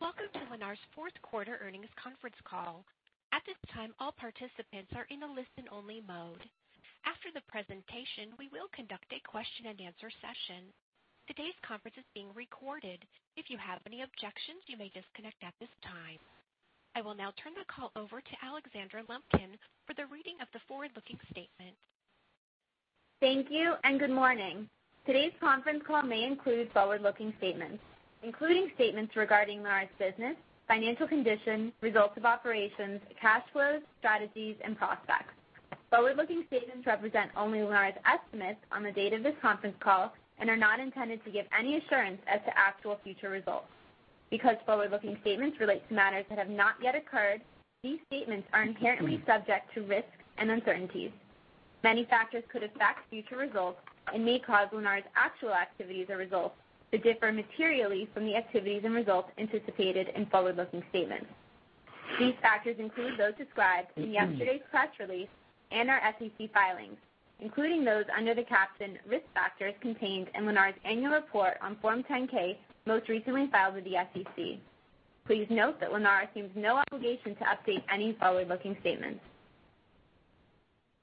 Welcome to Lennar's fourth quarter earnings conference call. At this time, all participants are in listen-only mode. After the presentation, we will conduct a question- and- answer session. Today's conference is being recorded. If you have any objections, you may disconnect at this time. I will now turn the call over to Alexandra Lumpkin for the reading of the forward-looking statement. Thank you, and good morning. Today's conference call may include forward-looking statements, including statements regarding Lennar's business, financial condition, results of operations, cash flows, strategies, and prospects. Forward-looking statements represent only Lennar's estimates on the date of this conference call and are not intended to give any assurance as to actual future results. Because forward-looking statements relate to matters that have not yet occurred, these statements are inherently subject to risks and uncertainties. Many factors could affect future results and may cause Lennar's actual activities or results to differ materially from the activities and results anticipated in forward-looking statements. These factors include those described in yesterday's press release and our SEC filings, including those under the caption, Risk Factors, contained in Lennar's annual report on Form 10-K, most recently filed with the SEC. Please note that Lennar assumes no obligation to update any forward-looking statements.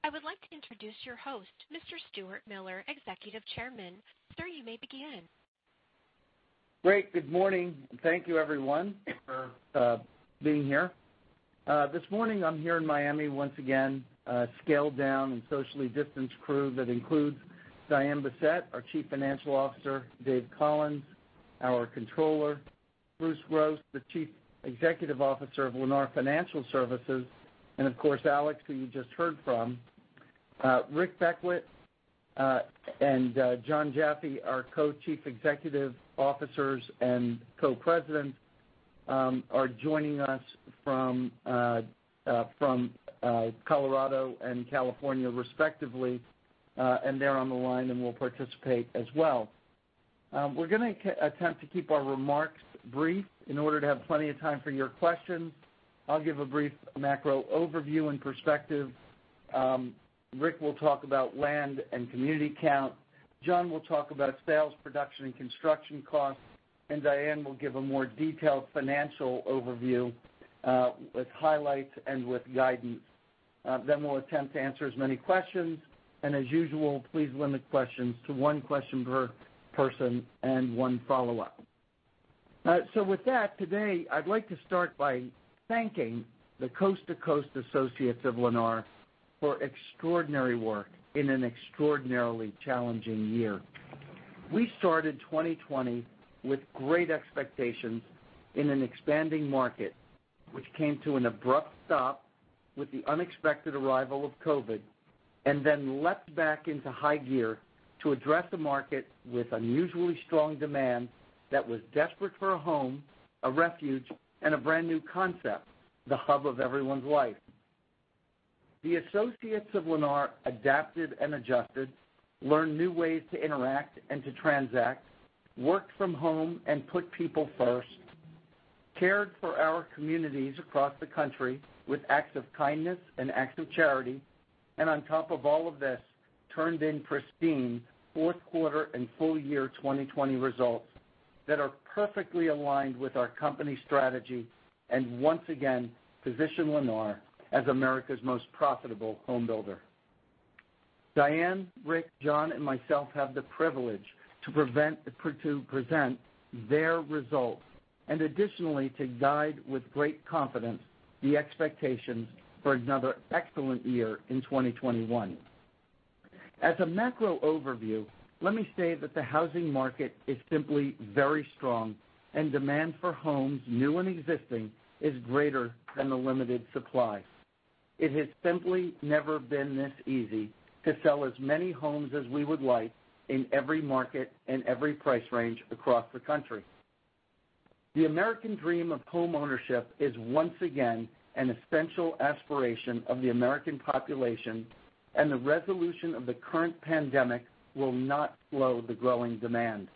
I would like to introduce your host, Mr. Stuart Miller, Executive Chairman. Sir, you may begin. Great. Good morning, thank you, everyone, for being here. This morning I'm here in Miami once again, a scaled down and socially distanced crew that includes Diane Bessette, our Chief Financial Officer, David Collins, our Controller, Bruce Gross, the Chief Executive Officer of Lennar Financial Services, and of course, Alexandra Lumpkin, who you just heard from. Rick Beckwitt and Jon Jaffe, our Co-Chief Executive Officers and Co-Presidents, are joining us from Colorado and California respectively. They're on the line and will participate as well. We're gonna attempt to keep our remarks brief in order to have plenty of time for your questions. I'll give a brief macro overview and perspective. Rick will talk about land and community count. Jon will talk about sales, production, and construction costs, and Diane will give a more detailed financial overview with highlights and with guidance. We'll attempt to answer as many questions, and as usual, please limit questions to one question per person and one follow-up. With that, today, I'd like to start by thanking the coast-to-coast associates of Lennar for extraordinary work in an extraordinarily challenging year. We started 2020 with great expectations in an expanding market, which came to an abrupt stop with the unexpected arrival of COVID, and then leapt back into high gear to address a market with unusually strong demand that was desperate for a home, a refuge, and a brand-new concept, the hub of everyone's life. The associates of Lennar adapted and adjusted, learned new ways to interact and to transact, worked from home and put people first, cared for our communities across the country with acts of kindness and acts of charity, and on top of all of this, turned in pristine fourth quarter and full year 2020 results that are perfectly aligned with our company strategy, and once again, position Lennar as America's most profitable home builder. Diane, Rick, Jon, and myself have the privilege to present their results, and additionally, to guide with great confidence the expectations for another excellent year in 2021. As a macro overview, let me say that the housing market is simply very strong, and demand for homes, new and existing, is greater than the limited supply. It has simply never been this easy to sell as many homes as we would like in every market and every price range across the country. The American dream of homeownership is once again an essential aspiration of the American population, and the resolution of the current pandemic will not slow the growing demand.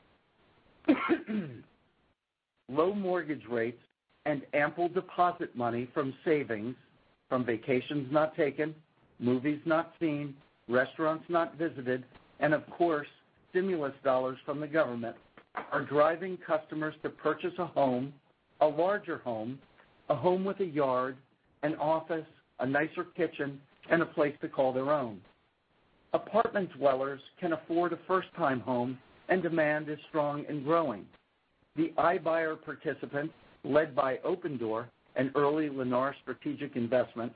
Low mortgage rates and ample deposit money from savings, from vacations not taken, movies not seen, restaurants not visited, and of course, stimulus dollars from the government, are driving customers to purchase a home, a larger home, a home with a yard, an office, a nicer kitchen, and a place to call their own. Apartment dwellers can afford a first-time home, and demand is strong and growing. The iBuyer participants, led by Opendoor, an early Lennar strategic investment,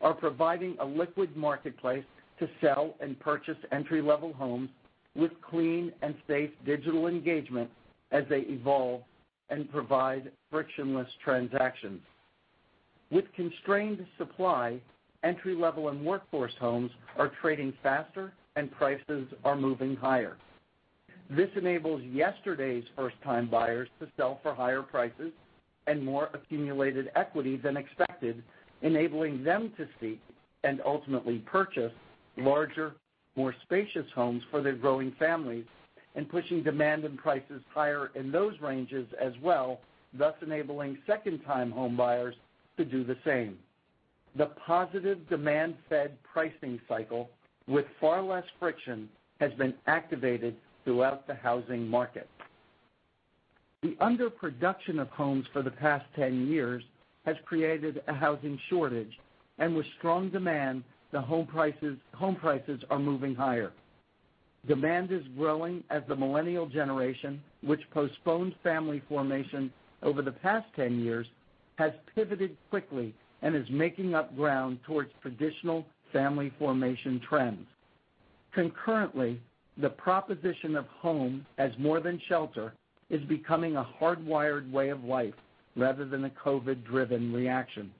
are providing a liquid marketplace to sell and purchase entry-level homes with clean and safe digital engagement as they evolve and provide frictionless transactions. With constrained supply, entry-level and workforce homes are trading faster, and prices are moving higher. This enables yesterday's first-time buyers to sell for higher prices and more accumulated equity than expected, enabling them to seek and ultimately purchase larger, more spacious homes for their growing families and pushing demand and prices higher in those ranges as well, thus enabling second-time home buyers to do the same. The positive demand-fed pricing cycle with far less friction has been activated throughout the housing market. The underproduction of homes for the past 10 years has created a housing shortage, and with strong demand, the home prices are moving higher. Demand is growing as the millennial generation, which postpones family formation over the past 10 years, has pivoted quickly and is making up ground towards traditional family formation trends. Concurrently, the proposition of home as more than shelter is becoming a hardwired way of life rather than a COVID-driven reaction.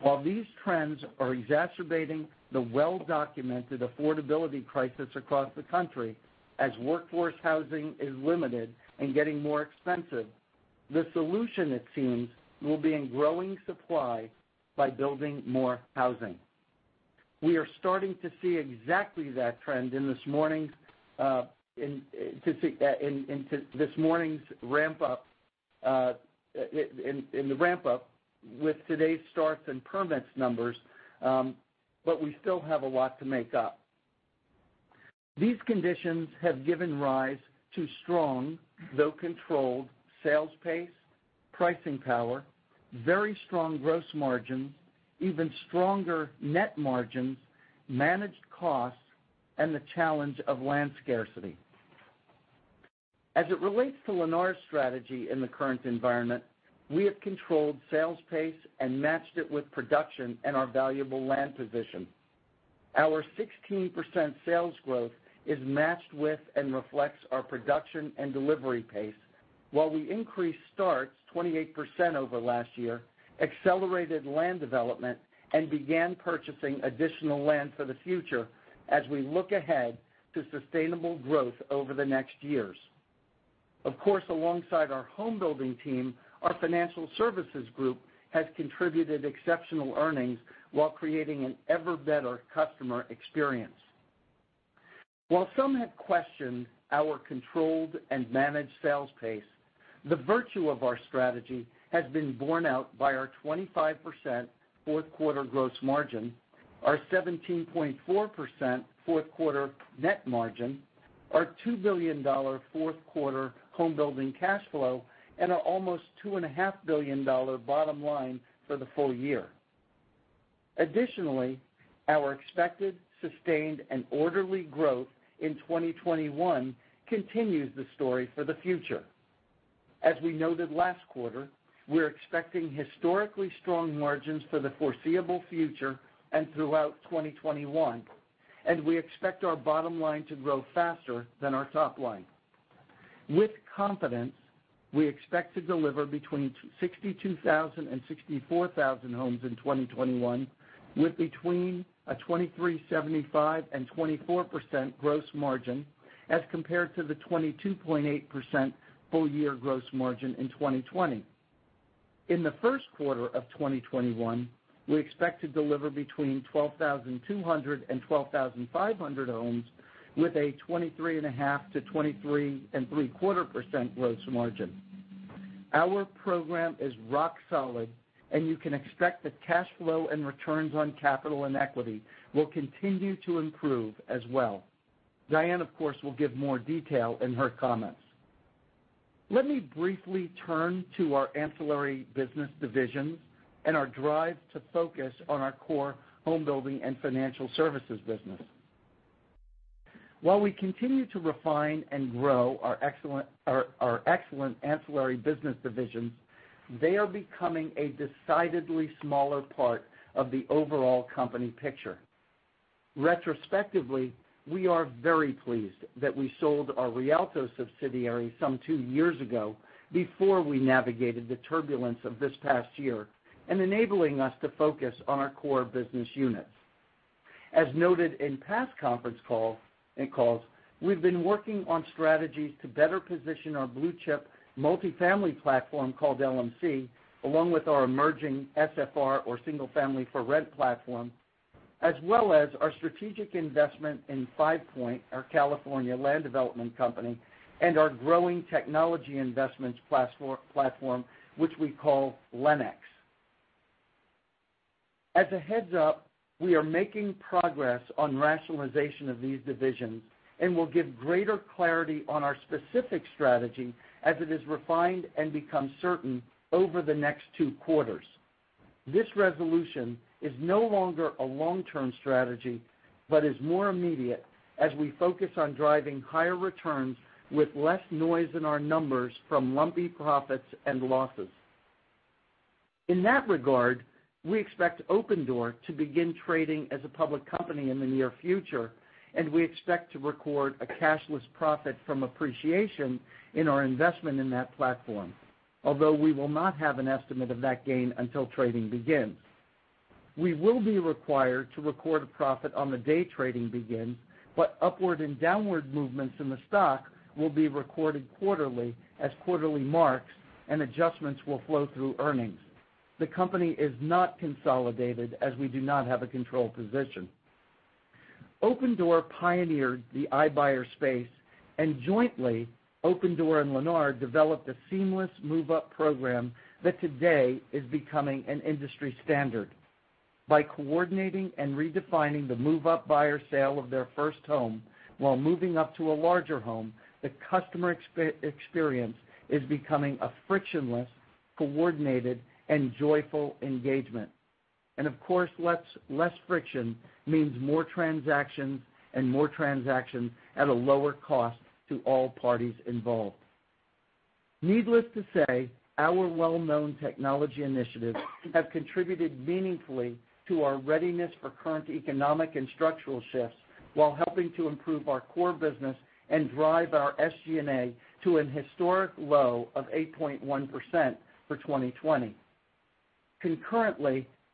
While these trends are exacerbating the well-documented affordability crisis across the country, as workforce housing is limited and getting more expensive, the solution, it seems, will be in growing supply by building more housing. We are starting to see exactly that trend in the ramp up with today's starts and permits numbers, but we still have a lot to make up. These conditions have given rise to strong, though controlled, sales pace, pricing power, very strong gross margin, even stronger net margins, managed costs, and the challenge of land scarcity. As it relates to Lennar's strategy in the current environment, we have controlled sales pace and matched it with production and our valuable land position. Our 16% sales growth is matched with and reflects our production and delivery pace while we increase starts 28% over last year, accelerated land development, and began purchasing additional land for the future as we look ahead to sustainable growth over the next years. Of course, alongside our home building team, our Financial Services group has contributed exceptional earnings while creating an ever-better customer experience. While some have questioned our controlled and managed sales pace, the virtue of our strategy has been borne out by our 25% fourth quarter gross margin, our 17.4% fourth quarter net margin, our $2 billion fourth quarter home building cash flow, and our almost $2.5 billion bottom line for the full year. Additionally, our expected sustained and orderly growth in 2021 continues the story for the future. As we noted last quarter, we're expecting historically strong margins for the foreseeable future and throughout 2021, and we expect our bottom line to grow faster than our top line. With confidence, we expect to deliver between 62,000 and 64,000 homes in 2021, with between a 23.75% and 24% gross margin as compared to the 22.8% full year gross margin in 2020. In the first quarter of 2021, we expect to deliver between 12,200 and 12,500 homes with a 23.5%-23.75% gross margin. Our program is rock solid, you can expect that cash flow and returns on capital and equity will continue to improve as well. Diane, of course, will give more detail in her comments. Let me briefly turn to our ancillary business divisions and our drive to focus on our core home building and financial services business. While we continue to refine and grow our excellent ancillary business divisions, they are becoming a decidedly smaller part of the overall company picture. Retrospectively, we are very pleased that we sold our Rialto subsidiary some two years ago before we navigated the turbulence of this past year and enabling us to focus on our core business units. As noted in past conference call, in calls, we've been working on strategies to better position our blue-chip multifamily platform called LMC, along with our emerging SFR or Single Family for Rent platform, as well as our strategic investment in FivePoint, our California land development company, and our growing technology investments platform, which we call LENx. As a heads-up, we are making progress on rationalization of these divisions and will give greater clarity on our specific strategy as it is refined and becomes certain over the next two quarters. This resolution is no longer a long-term strategy but is more immediate as we focus on driving higher returns with less noise in our numbers from lumpy profits and losses. In that regard, we expect Opendoor to begin trading as a public company in the near future, and we expect to record a cashless profit from appreciation in our investment in that platform. Although we will not have an estimate of that gain until trading begins. We will be required to record a profit on the day trading begins, but upward and downward movements in the stock will be recorded quarterly as quarterly marks and adjustments will flow through earnings. The company is not consolidated as we do not have a controlled position. Opendoor pioneered the iBuyer space, and jointly, Opendoor and Lennar developed a seamless move-up program that today is becoming an industry standard. By coordinating and redefining the move-up buyer sale of their first home while moving up to a larger home, the customer experience is becoming a frictionless, coordinated, and joyful engagement. Of course, less friction means more transactions, and more transactions at a lower cost to all parties involved. Needless to say, our well-known technology initiatives have contributed meaningfully to our readiness for current economic and structural shifts while helping to improve our core business and drive our SG&A to an historic low of 8.1% for 2020.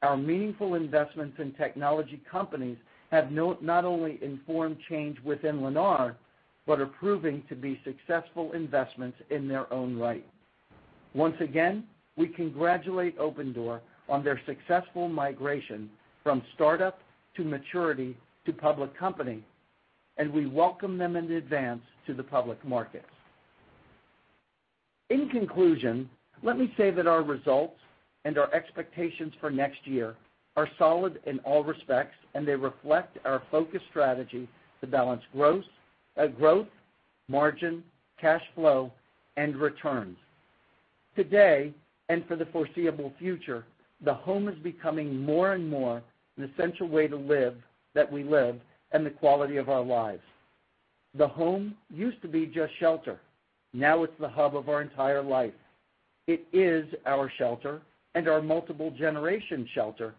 Our meaningful investments in technology companies have not only informed change within Lennar, but are proving to be successful investments in their own right. Once again, we congratulate Opendoor on their successful migration from startup to maturity to public company, and we welcome them in advance to the public market. In conclusion, let me say that our results and our expectations for next year are solid in all respects, and they reflect our focused strategy to balance gross growth, margin, cash flow, and returns. Today, and for the foreseeable future, the home is becoming more and more an essential way to live, that we live, and the quality of our lives. The home used to be just shelter. Now it's the hub of our entire life. It is our shelter and our multiple-generation shelter.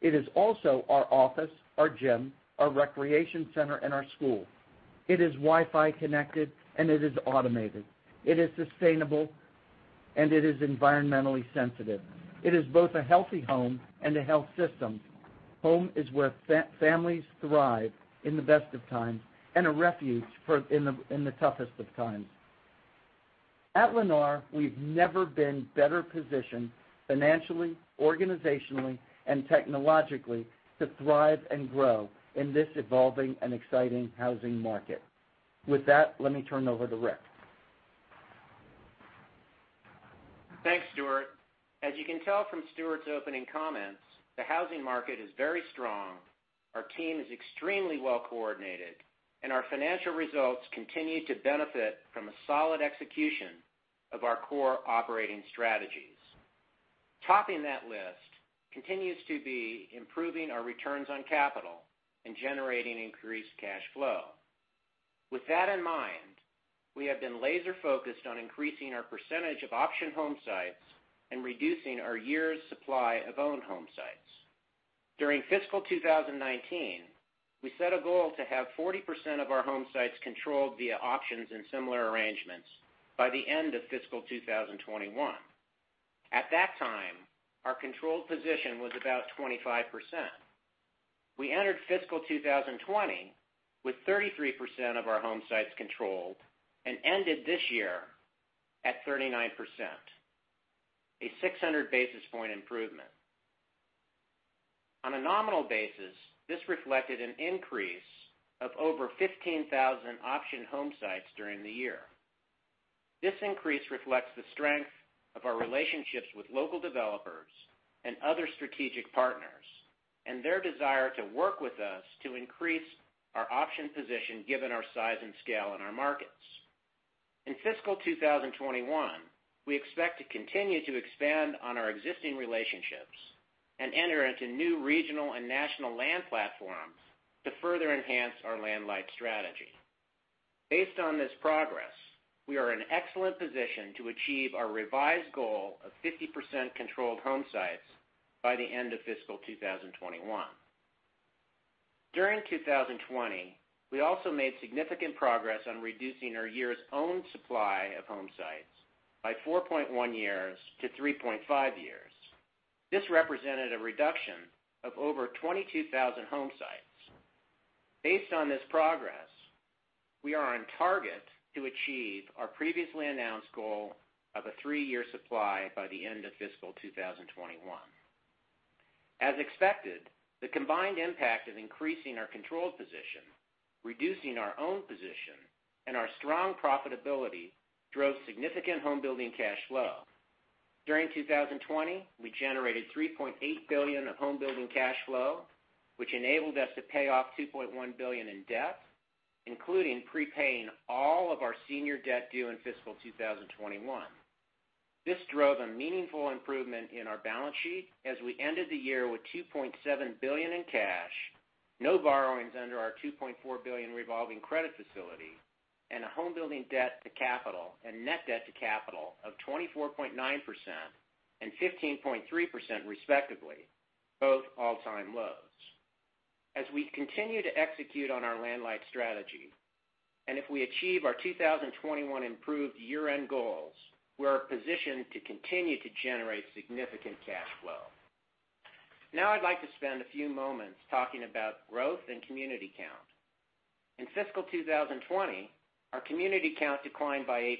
It is also our office, our gym, our recreation center, and our school. It is Wi-Fi connected, and it is automated. It is sustainable, and it is environmentally sensitive. It is both a healthy home and a health system. Home is where families thrive in the best of times, and a refuge in the toughest of times. At Lennar, we've never been better positioned financially, organizationally, and technologically to thrive and grow in this evolving and exciting housing market. With that, let me turn it over to Rick. Thanks, Stuart. As you can tell from Stuart's opening comments, the housing market is very strong, our team is extremely well-coordinated, and our financial results continue to benefit from a solid execution of our core operating strategies. Topping that list continues to be improving our returns on capital and generating increased cash flow. With that in mind, we have been laser-focused on increasing our percentage of option homesites and reducing our years' supply of owned homesites. During fiscal 2019, we set a goal to have 40% of our homesites controlled via options and similar arrangements by the end of fiscal 2021. At that time, our controlled position was about 25%. We entered fiscal 2020 with 33% of our homesites controlled and ended this year at 39%, a 600 basis point improvement. On a nominal basis, this reflected an increase of over 15,000 option homesites during the year. This increase reflects the strength of our relationships with local developers and other strategic partners, and their desire to work with us to increase our option position given our size and scale in our markets. In fiscal 2021, we expect to continue to expand on our existing relationships and enter into new regional and national land platforms to further enhance our land light strategy. Based on this progress, we are in excellent position to achieve our revised goal of 50% controlled homesites by the end of fiscal 2021. During 2020, we also made significant progress on reducing our years owned supply of homesites by 4.1 years-3.5 years. This represented a reduction of over 22,000 homesites. Based on this progress, we are on target to achieve our previously announced goal of a three-year supply by the end of fiscal 2021. As expected, the combined impact of increasing our controlled position, reducing our own position, and our strong profitability drove significant home building cash flow. During 2020, we generated $3.8 billion of home building cash flow, which enabled us to pay off $2.1 billion in debt, including prepaying all of our senior debt due in fiscal 2021. This drove a meaningful improvement in our balance sheet as we ended the year with $2.7 billion in cash, no borrowings under our $2.4 billion revolving credit facility, and a home building debt to capital and net debt to capital of 24.9% and 15.3% respectively, both all-time lows. As we continue to execute on our land light strategy, if we achieve our 2021 improved year-end goals, we are positioned to continue to generate significant cash flow. Now I'd like to spend a few moments talking about growth and community count. In fiscal 2020, our community count declined by 8%.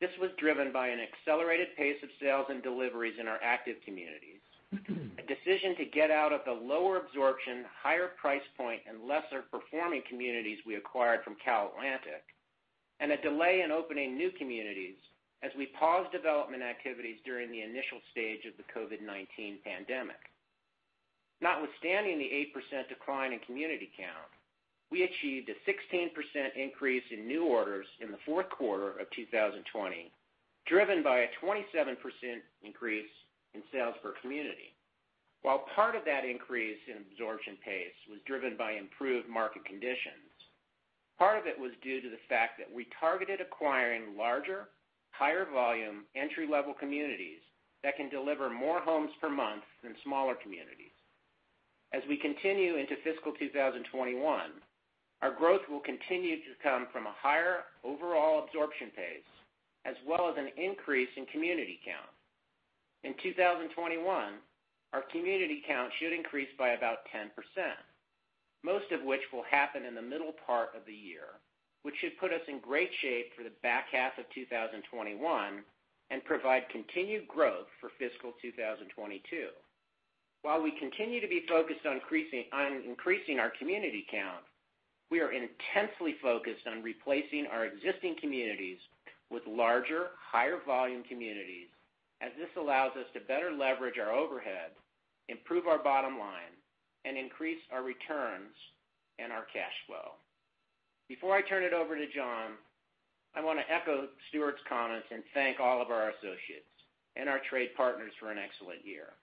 This was driven by an accelerated pace of sales and deliveries in our active communities, a decision to get out of the lower absorption, higher price point, and lesser performing communities we acquired from CalAtlantic, and a delay in opening new communities as we paused development activities during the initial stage of the COVID-19 pandemic. Notwithstanding the 8% decline in community count, we achieved a 16% increase in new orders in the fourth quarter of 2020, driven by a 27% increase in sales per community. While part of that increase in absorption pace was driven by improved market conditions, part of it was due to the fact that we targeted acquiring larger, higher volume, entry-level communities that can deliver more homes per month than smaller communities. As we continue into fiscal 2021, our growth will continue to come from a higher overall absorption pace as well as an increase in community count. In 2021, our community count should increase by about 10%, most of which will happen in the middle part of the year, which should put us in great shape for the back half of 2021 and provide continued growth for fiscal 2022. While we continue to be focused on increasing our community count, we are intensely focused on replacing our existing communities with larger, higher volume communities as this allows us to better leverage our overhead, improve our bottom line, and increase our returns and our cash flow. Before I turn it over to Jon, I want to echo Stuart's comments and thank all of our associates and our trade partners for an excellent year.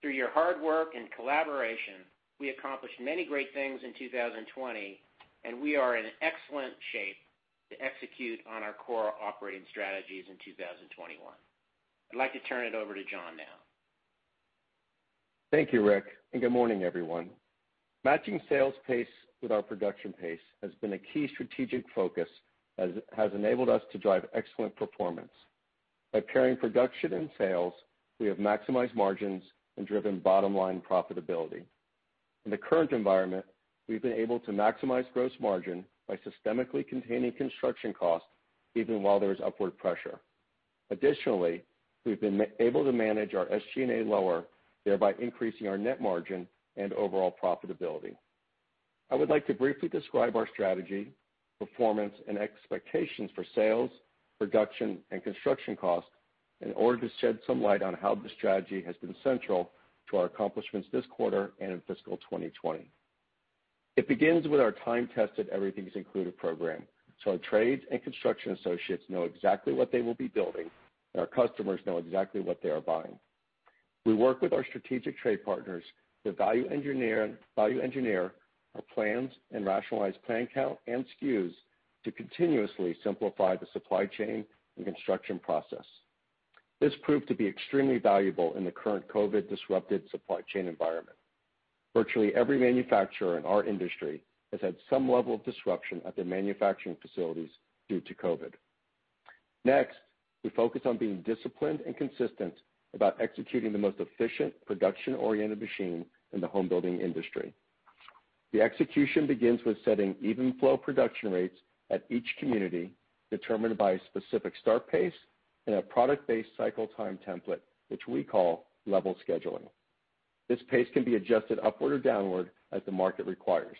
Through your hard work and collaboration, we accomplished many great things in 2020. We are in excellent shape to execute on our core operating strategies in 2021. I'd like to turn it over to Jon now. Thank you, Rick. Good morning, everyone. Matching sales pace with our production pace has been a key strategic focus as it has enabled us to drive excellent performance. By pairing production and sales, we have maximized margins and driven bottom-line profitability. In the current environment, we've been able to maximize gross margin by systemically containing construction costs even while there is upward pressure. Additionally, we've been able to manage our SG&A lower, thereby increasing our net margin and overall profitability. I would like to briefly describe our strategy, performance, and expectations for sales, production, and construction costs in order to shed some light on how the strategy has been central to our accomplishments this quarter and in fiscal 2020. It begins with our time-tested Everything's Included program, so our trades and construction associates know exactly what they will be building, and our customers know exactly what they are buying. We work with our strategic trade partners to value engineer our plans and rationalize plan count and SKUs to continuously simplify the supply chain and construction process. This proved to be extremely valuable in the current COVID disrupted supply chain environment. Virtually every manufacturer in our industry has had some level of disruption at their manufacturing facilities due to COVID. Next, we focus on being disciplined and consistent about executing the most efficient production-oriented machine in the home building industry. The execution begins with setting even flow production rates at each community determined by a specific start pace and a product-based cycle time template, which we call level scheduling. This pace can be adjusted upward or downward as the market requires.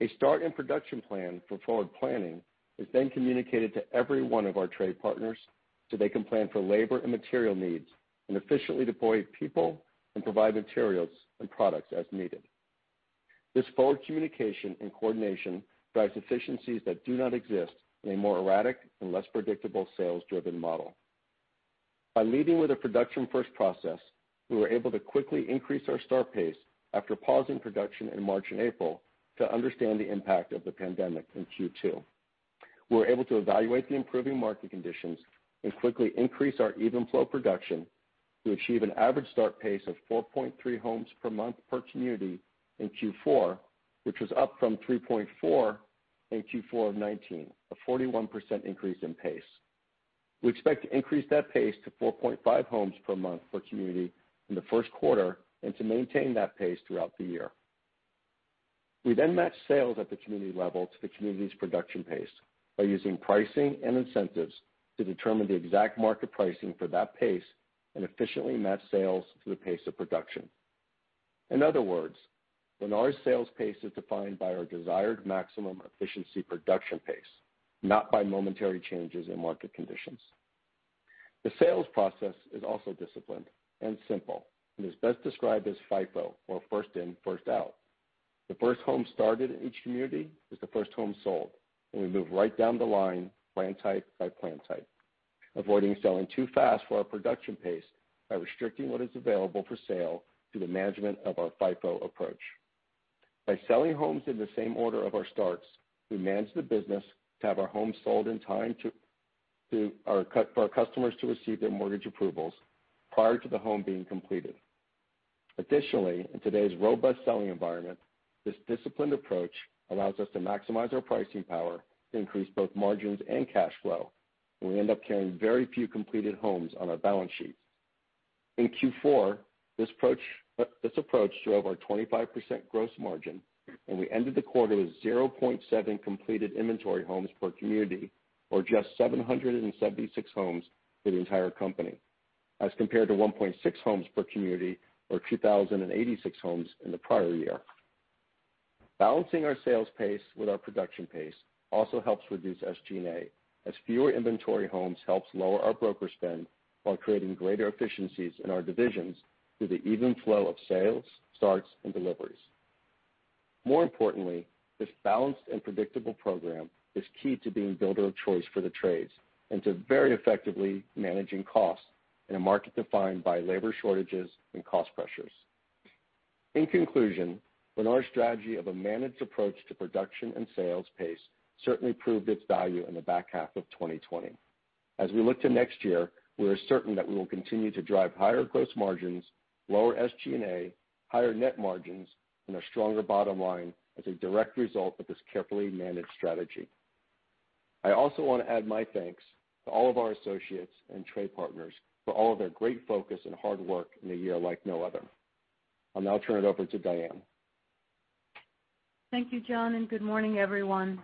A start and production plan for forward planning is then communicated to every one of our trade partners, so they can plan for labor and material needs and efficiently deploy people and provide materials and products as needed. This forward communication and coordination drives efficiencies that do not exist in a more erratic and less predictable sales-driven model. By leading with a production first process, we were able to quickly increase our start pace after pausing production in March and April to understand the impact of the pandemic in Q2. We were able to evaluate the improving market conditions and quickly increase our even flow production to achieve an average start pace of 4.3 homes per month per community in Q4, which was up from 3.4 in Q4 of 2019, a 41% increase in pace. We expect to increase that pace to 4.5 homes per month per community in the first quarter and to maintain that pace throughout the year. We then match sales at the community level to the community's production pace by using pricing and incentives to determine the exact market pricing for that pace and efficiently match sales to the pace of production. In other words, Lennar's sales pace is defined by our desired maximum efficiency production pace, not by momentary changes in market conditions. The sales process is also disciplined and simple and is best described as FIFO or first in, first out. The first home started in each community is the first home sold, and we move right down the line plan type by plan type, avoiding selling too fast for our production pace by restricting what is available for sale through the management of our FIFO approach. By selling homes in the same order of our starts, we manage the business to have our homes sold in time to our customers to receive their mortgage approvals prior to the home being completed. Additionally, in today's robust selling environment, this disciplined approach allows us to maximize our pricing power to increase both margins and cash flow, we end up carrying very few completed homes on our balance sheet. In Q4, this approach drove our 25% gross margin, and we ended the quarter with 0.7 completed inventory homes per community, or just 776 homes for the entire company, as compared to 1.6 homes per community or 2,086 homes in the prior year. Balancing our sales pace with our production pace also helps reduce SG&A, as fewer inventory homes helps lower our broker spend while creating greater efficiencies in our divisions through the even flow of sales, starts, and deliveries. More importantly, this balanced and predictable program is key to being builder of choice for the trades and to very effectively managing costs in a market defined by labor shortages and cost pressures. In conclusion, Lennar's strategy of a managed approach to production and sales pace certainly proved its value in the back half of 2020. As we look to next year, we are certain that we will continue to drive higher gross margins, lower SG&A, higher net margins, and a stronger bottom line as a direct result of this carefully managed strategy. I also want to add my thanks to all of our associates and trade partners for all of their great focus and hard work in a year like no other. I'll now turn it over to Diane. Thank you, Jon, and good morning, everyone.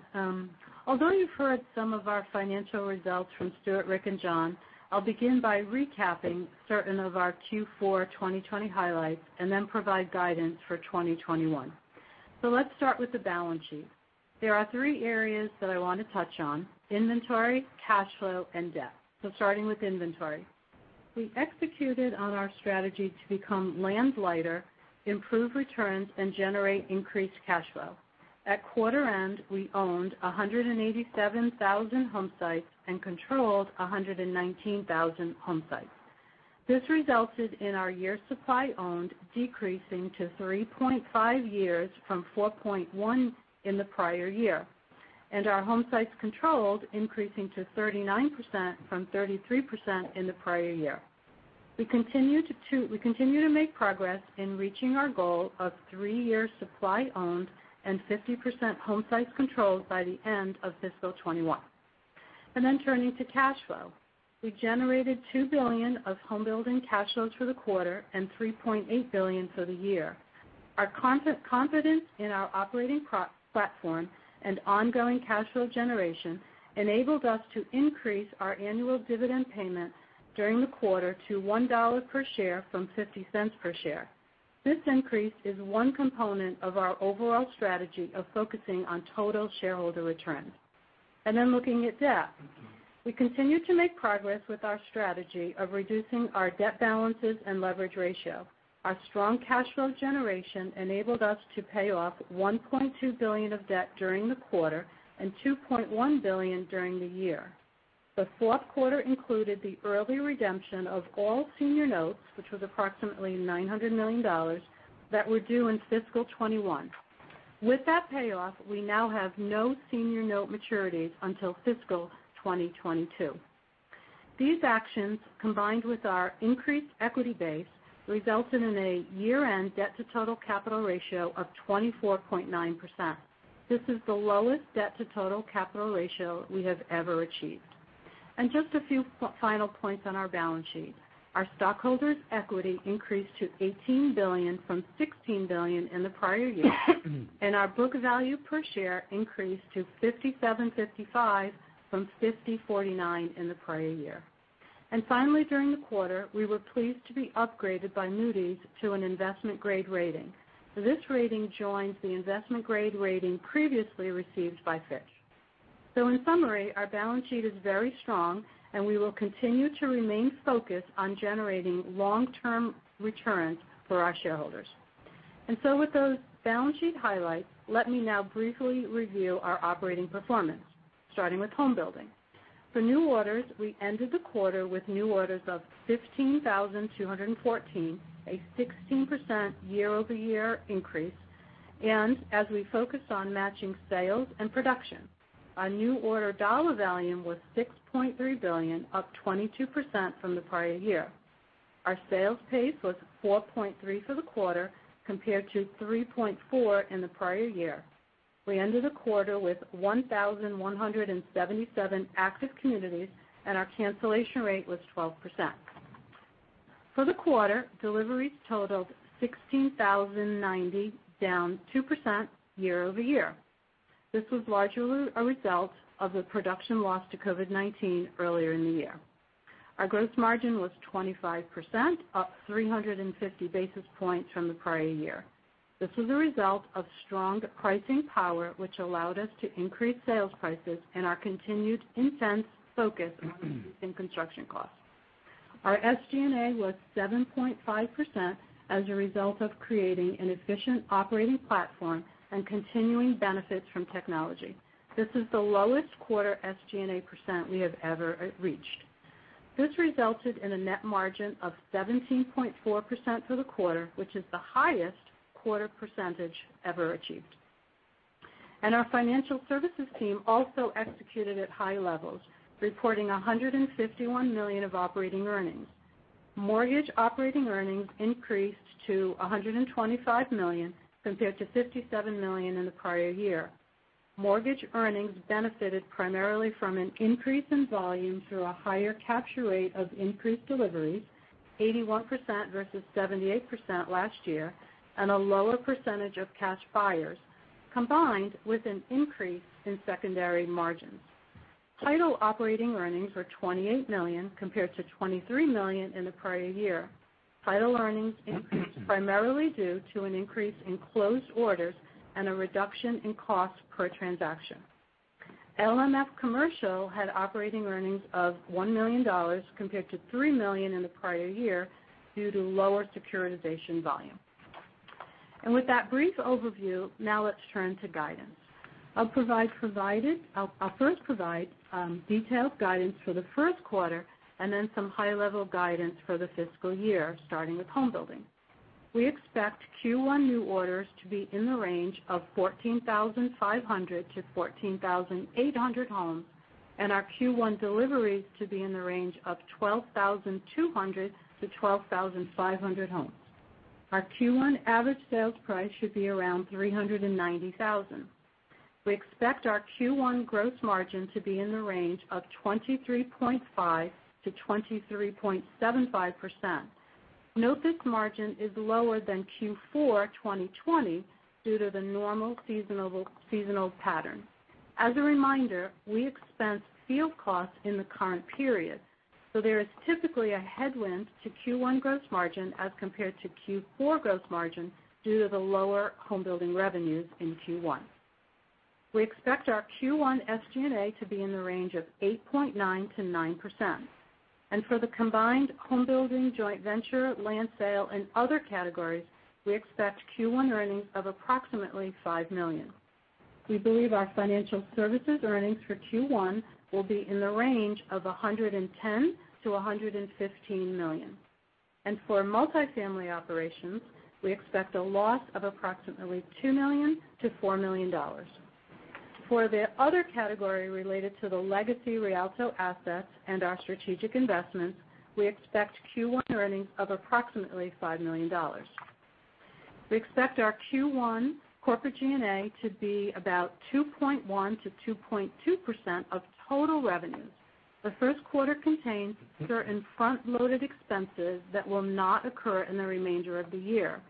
Although you've heard some of our financial results from Stuart, Rick, and Jon, I'll begin by recapping certain of our Q4 2020 highlights and then provide guidance for 2021. Let's start with the balance sheet. There are three areas that I want to touch on: inventory, cash flow, and debt. Starting with inventory. We executed on our strategy to become land light, improve returns, and generate increased cash flow. At quarter end, we owned 187,000 homesites and controlled 119,000 homesites. This resulted in our year supply owned decreasing to 3.5 years from 4.1 in the prior year, and our homesites controlled increasing to 39% from 33% in the prior year. We continue to make progress in reaching our goal of three-year supply owned and 50% homesites controlled by the end of fiscal 2021. Turning to cash flow. We generated $2 billion of home building cash flows for the quarter and $3.8 billion for the year. Our confidence in our operating platform and ongoing cash flow generation enabled us to increase our annual dividend payment during the quarter to $1 per share from $0.50 per share. This increase is one component of our overall strategy of focusing on total shareholder return. Looking at debt. We continue to make progress with our strategy of reducing our debt balances and leverage ratio. Our strong cash flow generation enabled us to pay off $1.2 billion of debt during the quarter and $2.1 billion during the year. The fourth quarter included the early redemption of all senior notes, which was approximately $900 million that were due in fiscal 2021. With that payoff, we now have no senior note maturities until fiscal 2022. These actions, combined with our increased equity base, resulted in a year-end debt to total capital ratio of 24.9%. This is the lowest debt to total capital ratio we have ever achieved. Just a few final points on our balance sheet. Our stockholders' equity increased to $18 billion from $16 billion in the prior year, and our book value per share increased to $57.55 from $50.49 in the prior year. Finally, during the quarter, we were pleased to be upgraded by Moody's to an investment-grade rating. This rating joins the investment-grade rating previously received by Fitch. In summary, our balance sheet is very strong, and we will continue to remain focused on generating long-term returns for our shareholders. With those balance sheet highlights, let me now briefly review our operating performance, starting with home building. For new orders, we ended the quarter with new orders of 15,214, a 16% year-over-year increase. As we focus on matching sales and production, our new order dollar volume was $6.3 billion, up 22% from the prior year. Our sales pace was 4.3 for the quarter compared to 3.4 in the prior year. We ended the quarter with 1,177 active communities, and our cancellation rate was 12%. For the quarter, deliveries totaled 16,090, down 2% year-over-year. This was largely a result of the production loss to COVID-19 earlier in the year. Our gross margin was 25%, up 350 basis points from the prior year. This was a result of strong pricing power, which allowed us to increase sales prices and our continued intense focus on reducing construction costs. Our SG&A was 7.5% as a result of creating an efficient operating platform and continuing benefits from technology. This is the lowest quarter SG&A percent we have ever reached. This resulted in a net margin of 17.4% for the quarter, which is the highest quarter percentage ever achieved. Our financial services team also executed at high levels, reporting $151 million of operating earnings. Mortgage operating earnings increased to $125 million compared to $57 million in the prior year. Mortgage earnings benefited primarily from an increase in volume through a higher capture rate of increased deliveries, 81% versus 78% last year, and a lower percentage of cash buyers, combined with an increase in secondary margins. Title operating earnings were $28 million compared to $23 million in the prior year. Title earnings increased primarily due to an increase in closed orders and a reduction in cost per transaction. LMF Commercial had operating earnings of $1 million compared to $3 million in the prior year due to lower securitization volume. With that brief overview, now let's turn to guidance. I'll first provide detailed guidance for the first quarter and then some high-level guidance for the fiscal year, starting with home building. We expect Q1 new orders to be in the range of 14,500 homes-14,800 homes, and our Q1 deliveries to be in the range of 12,200 homes-12,500 homes. Our Q1 average sales price should be around $390,000. We expect our Q1 gross margin to be in the range of 23.5%-23.75%. Note this margin is lower than Q4 2020 due to the normal seasonal pattern. As a reminder, we expense field costs in the current period, so there is typically a headwind to Q1 gross margin as compared to Q4 gross margin due to the lower home building revenues in Q1. We expect our Q1 SG&A to be in the range of 8.9%-9%. For the combined home building joint venture, land sale, and other categories, we expect Q1 earnings of approximately $5 million. We believe our Financial Services earnings for Q1 will be in the range of $110 million-$115 million. For multifamily operations, we expect a loss of approximately $2 million-$4 million. For the other category related to the legacy Rialto assets and our strategic investments, we expect Q1 earnings of approximately $5 million. We expect our Q1 corporate G&A to be about 2.1%-2.2% of total revenues. The first quarter contains certain front-loaded expenses that will not occur in the remainder of the year.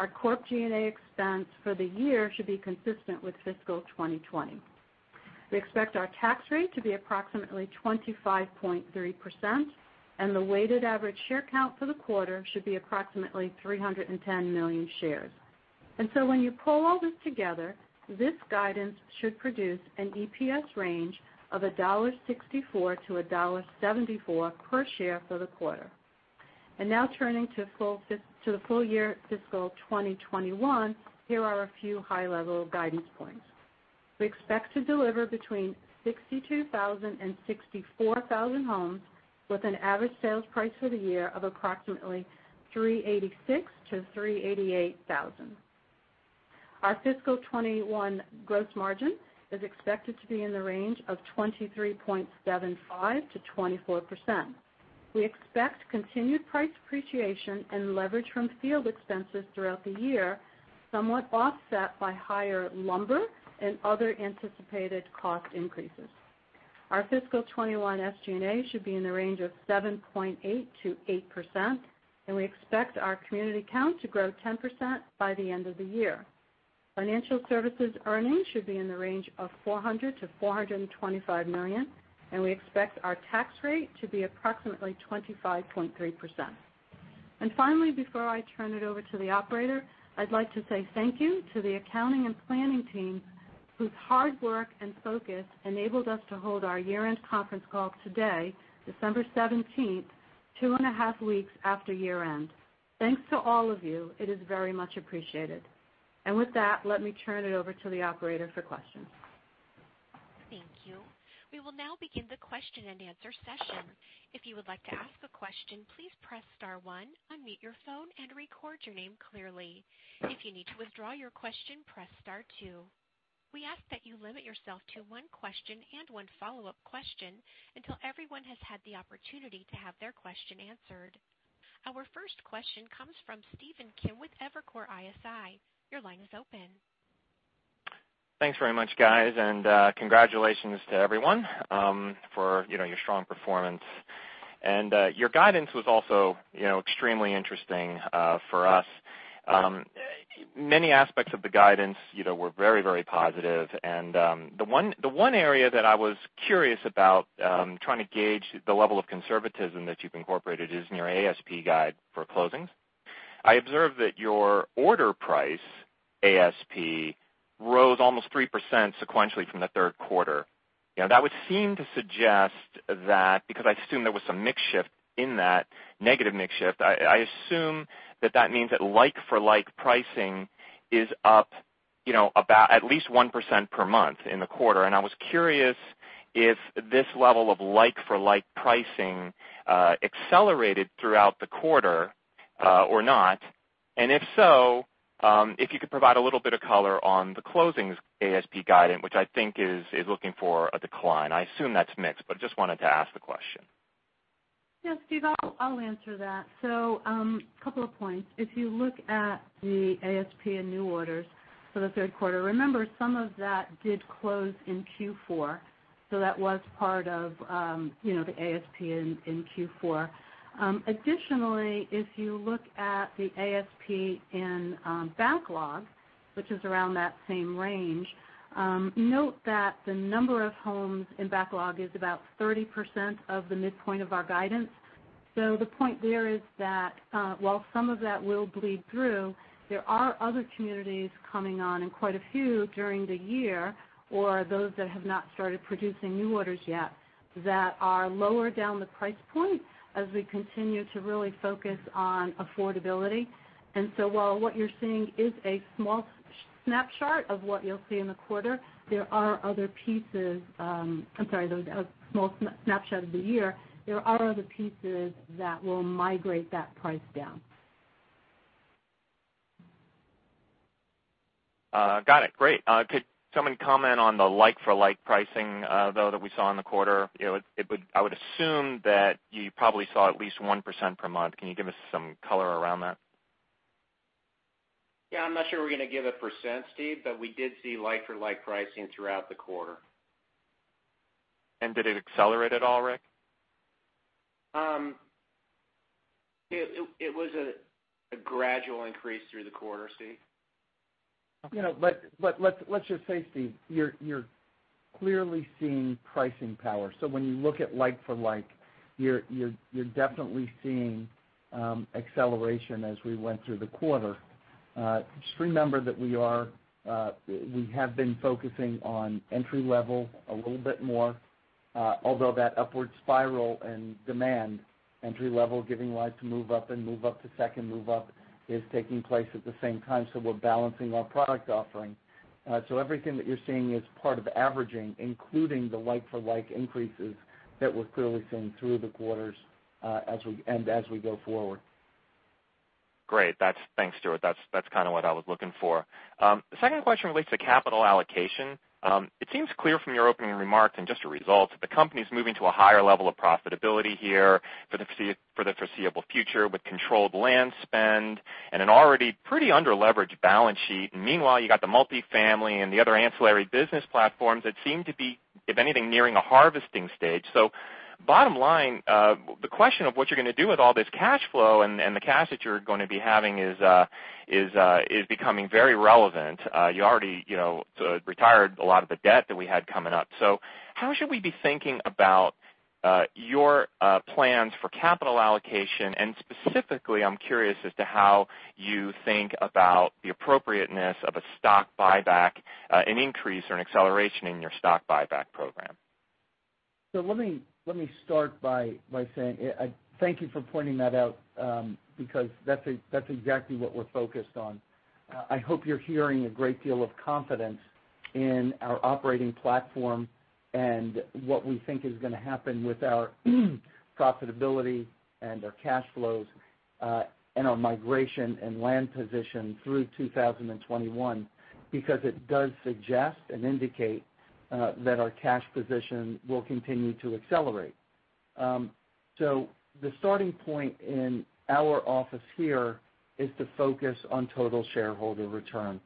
Our corp G&A expense for the year should be consistent with fiscal 2020. We expect our tax rate to be approximately 25.3%, and the weighted average share count for the quarter should be approximately 310 million shares. When you pull all this together, this guidance should produce an EPS range of $1.64-$1.74 per share for the quarter. Now turning to the full year fiscal 2021, here are a few high-level guidance points. We expect to deliver between 62,000 and 64,000 homes with an average sales price for the year of approximately $386,000-$388,000. Our fiscal 2021 gross margin is expected to be in the range of 23.75%-24%. We expect continued price appreciation and leverage from field expenses throughout the year, somewhat offset by higher lumber and other anticipated cost increases. Our fiscal 2021 SG&A should be in the range of 7.8%-8%, we expect our community count to grow 10% by the end of the year. Financial Services earnings should be in the range of $400 million-$425 million, we expect our tax rate to be approximately 25.3%. Finally, before I turn it over to the operator, I'd like to say thank you to the accounting and planning team whose hard work and focus enabled us to hold our year-end conference call today, December 17th, two and a half weeks after year-end. Thanks to all of you. It is very much appreciated. With that, let me turn it over to the operator for questions. Thank you. We will now begin the question-and-answer session. If you would like to ask a question, please press star one, unmute your phone, and record your name clearly. If you need to withdraw your question, press star two. We ask that you limit yourself to one question and one follow-up question until everyone has had the opportunity to have their question answered. Our first question comes from Stephen Kim with Evercore ISI. Your line is open. Thanks very much, guys, congratulations to everyone, for, you know, your strong performance. Your guidance was also, you know, extremely interesting, for us. Many aspects of the guidance, you know, were very, very positive, the one area that I was curious about, trying to gauge the level of conservatism that you've incorporated is in your ASP guide for closings. I observed that your order price ASP rose almost 3% sequentially from the third quarter. You know, that would seem to suggest that, because I assume there was some mix shift in that, negative mix shift, I assume that that means that like-for-like pricing is up, you know, about at least 1% per month in the quarter. I was curious if this level of like-for-like pricing accelerated throughout the quarter, or not. If so, if you could provide a little bit of color on the closings ASP guidance, which I think is looking for a decline. I assume that's mixed, but just wanted to ask the question. Yes, Stephen, I'll answer that. Couple of points. If you look at the ASP and new orders for the third quarter, remember some of that did close in Q4, that was part of, you know, the ASP in Q4. Additionally, if you look at the ASP in backlog, which is around that same range, note that the number of homes in backlog is about 30% of the midpoint of our guidance. The point there is that, while some of that will bleed through, there are other communities coming on, and quite a few during the year, or those that have not started producing new orders yet, that are lower down the price point as we continue to really focus on affordability. While what you're seeing is a small snapshot of what you'll see in the quarter, there are other pieces, I'm sorry, a small snapshot of the year, there are other pieces that will migrate that price down. Got it. Great. Could someone comment on the like for like pricing, though, that we saw in the quarter? You know, I would assume that you probably saw at least 1% per month. Can you give us some color around that? Yeah, I'm not sure we're gonna give a percent, Stephen, but we did see like for like pricing throughout the quarter. Did it accelerate at all, Rick? It was a gradual increase through the quarter, Stephen. Okay. You know, but let's just say, Stephen, you're clearly seeing pricing power. When you look at like for like, you're definitely seeing acceleration as we went through the quarter. Just remember that we are we have been focusing on entry-level a little bit more, although that upward spiral in demand, entry-level giving life to move up and move up to second move up is taking place at the same time. We're balancing our product offering. Everything that you're seeing is part of averaging, including the like for like increases that we're clearly seeing through the quarters and as we go forward. Great. Thanks, Stuart. That's kind of what I was looking for. The second question relates to capital allocation. It seems clear from your opening remarks and just the results that the company's moving to a higher level of profitability here for the foreseeable future with controlled land spend and an already pretty under-leveraged balance sheet. Meanwhile, you got the multifamily and the other ancillary business platforms that seem to be, if anything, nearing a harvesting stage. Bottom line, the question of what you're gonna do with all this cash flow and the cash that you're gonna be having is becoming very relevant. You already, you know, retired a lot of the debt that we had coming up. How should we be thinking about your plans for capital allocation, and specifically I'm curious as to how you think about the appropriateness of a stock buyback, an increase or an acceleration in your stock buyback program? Let me start by saying, thank you for pointing that out, because that's exactly what we're focused on. I hope you're hearing a great deal of confidence in our operating platform and what we think is gonna happen with our profitability and our cash flows, and our migration and land position through 2021, because it does suggest and indicate that our cash position will continue to accelerate. The starting point in our office here is to focus on total shareholder return.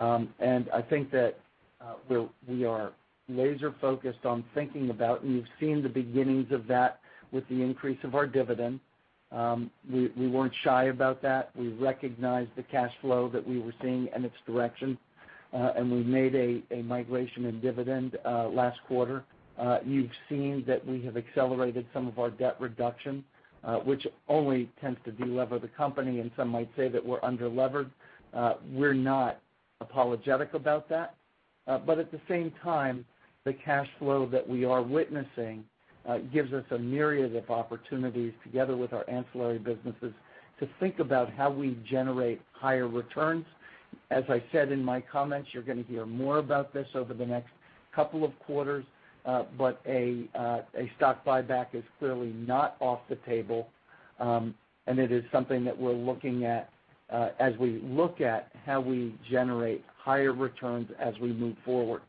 I think that we are laser-focused on thinking about, and you've seen the beginnings of that with the increase of our dividend. We weren't shy about that. We recognized the cash flow that we were seeing and its direction, and we made a migration in dividend last quarter. You've seen that we have accelerated some of our debt reduction, which only tends to de-lever the company, and some might say that we're under-levered. We're not apologetic about that. At the same time, the cash flow that we are witnessing, gives us a myriad of opportunities together with our ancillary businesses to think about how we generate higher returns. As I said in my comments, you're gonna hear more about this over the next couple of quarters, but a stock buyback is clearly not off the table, and it is something that we're looking at, as we look at how we generate higher returns as we move forward.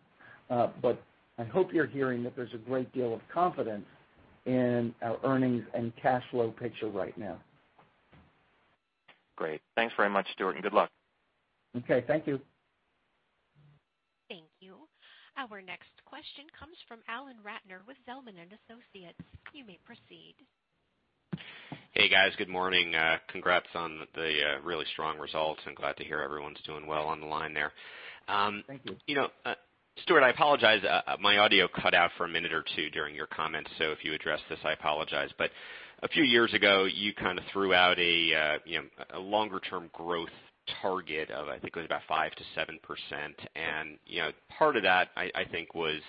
I hope you're hearing that there's a great deal of confidence in our earnings and cash flow picture right now. Great. Thanks very much, Stuart, and good luck. Okay, thank you. Thank you. Our next question comes from Alan Ratner with Zelman & Associates. You may proceed. Hey, guys. Good morning. Congrats on the really strong results, and glad to hear everyone's doing well on the line there. Thank you. You know, Stuart, I apologize, my audio cut out for a minute or two during your comments, so if you addressed this, I apologize. A few years ago, you kind of threw out a, you know, a longer term growth target of, I think, it was about 5%-7%. You know, part of that I think, was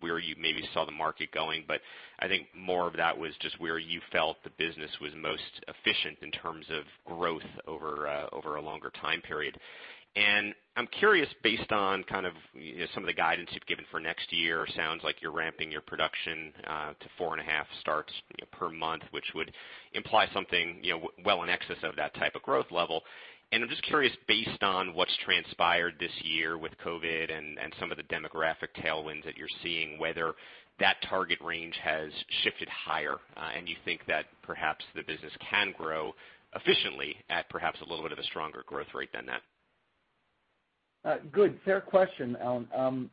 where you maybe saw the market going, but I think more of that was just where you felt the business was most efficient in terms of growth over a longer time period. I'm curious, based on kind of, you know, some of the guidance you've given for next year, sounds like you're ramping your production, to 4.5 starts, you know, per month, which would imply something, you know, well in excess of that type of growth level. I'm just curious, based on what's transpired this year with COVID and some of the demographic tailwinds that you're seeing, whether that target range has shifted higher, and you think that perhaps the business can grow efficiently at perhaps a little bit of a stronger growth rate than that. Good. Fair question, Alan.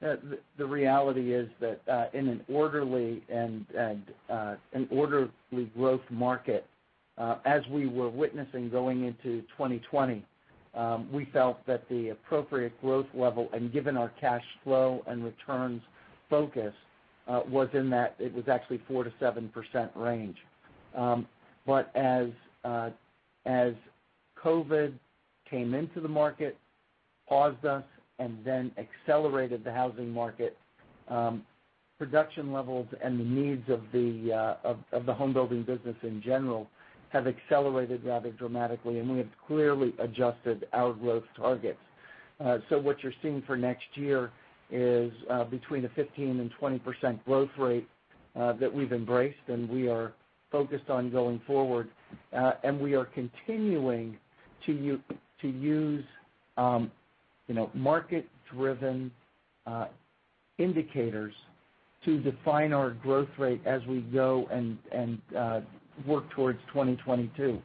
The reality is that in an orderly and an orderly growth market, as we were witnessing going into 2020, we felt that the appropriate growth level, and given our cash flow and returns focus, it was actually 4%-7% range. As COVID came into the market, paused us, and then accelerated the housing market, production levels and the needs of the home-building business in general have accelerated rather dramatically, and we have clearly adjusted our growth targets. What you're seeing for next year is between a 15% and 20% growth rate that we've embraced, and we are focused on going forward. And we are continuing to use, you know, market-driven indicators to define our growth rate as we go and work towards 2022.